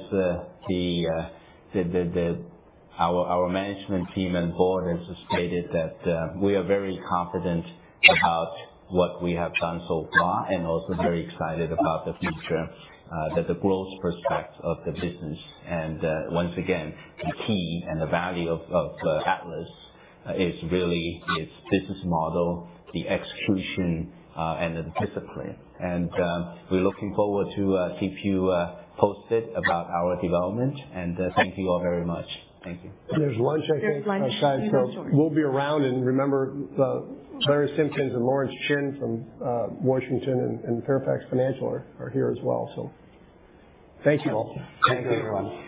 our management team and board has stated that, we are very confident about what we have done so far and also very excited about the future, the growth prospects of the business. Once again, the key and the value of Atlas is really its business model, the execution, and the discipline. We're looking forward to keep you posted about our development. Thank you all very much. Thank you. There's lunch, I think. There's lunch outside. We'll be around. Remember, Larry Simkins and Lawrence Chin from Washington and Fairfax Financial are here as well. Thank you all. Thank you, everyone.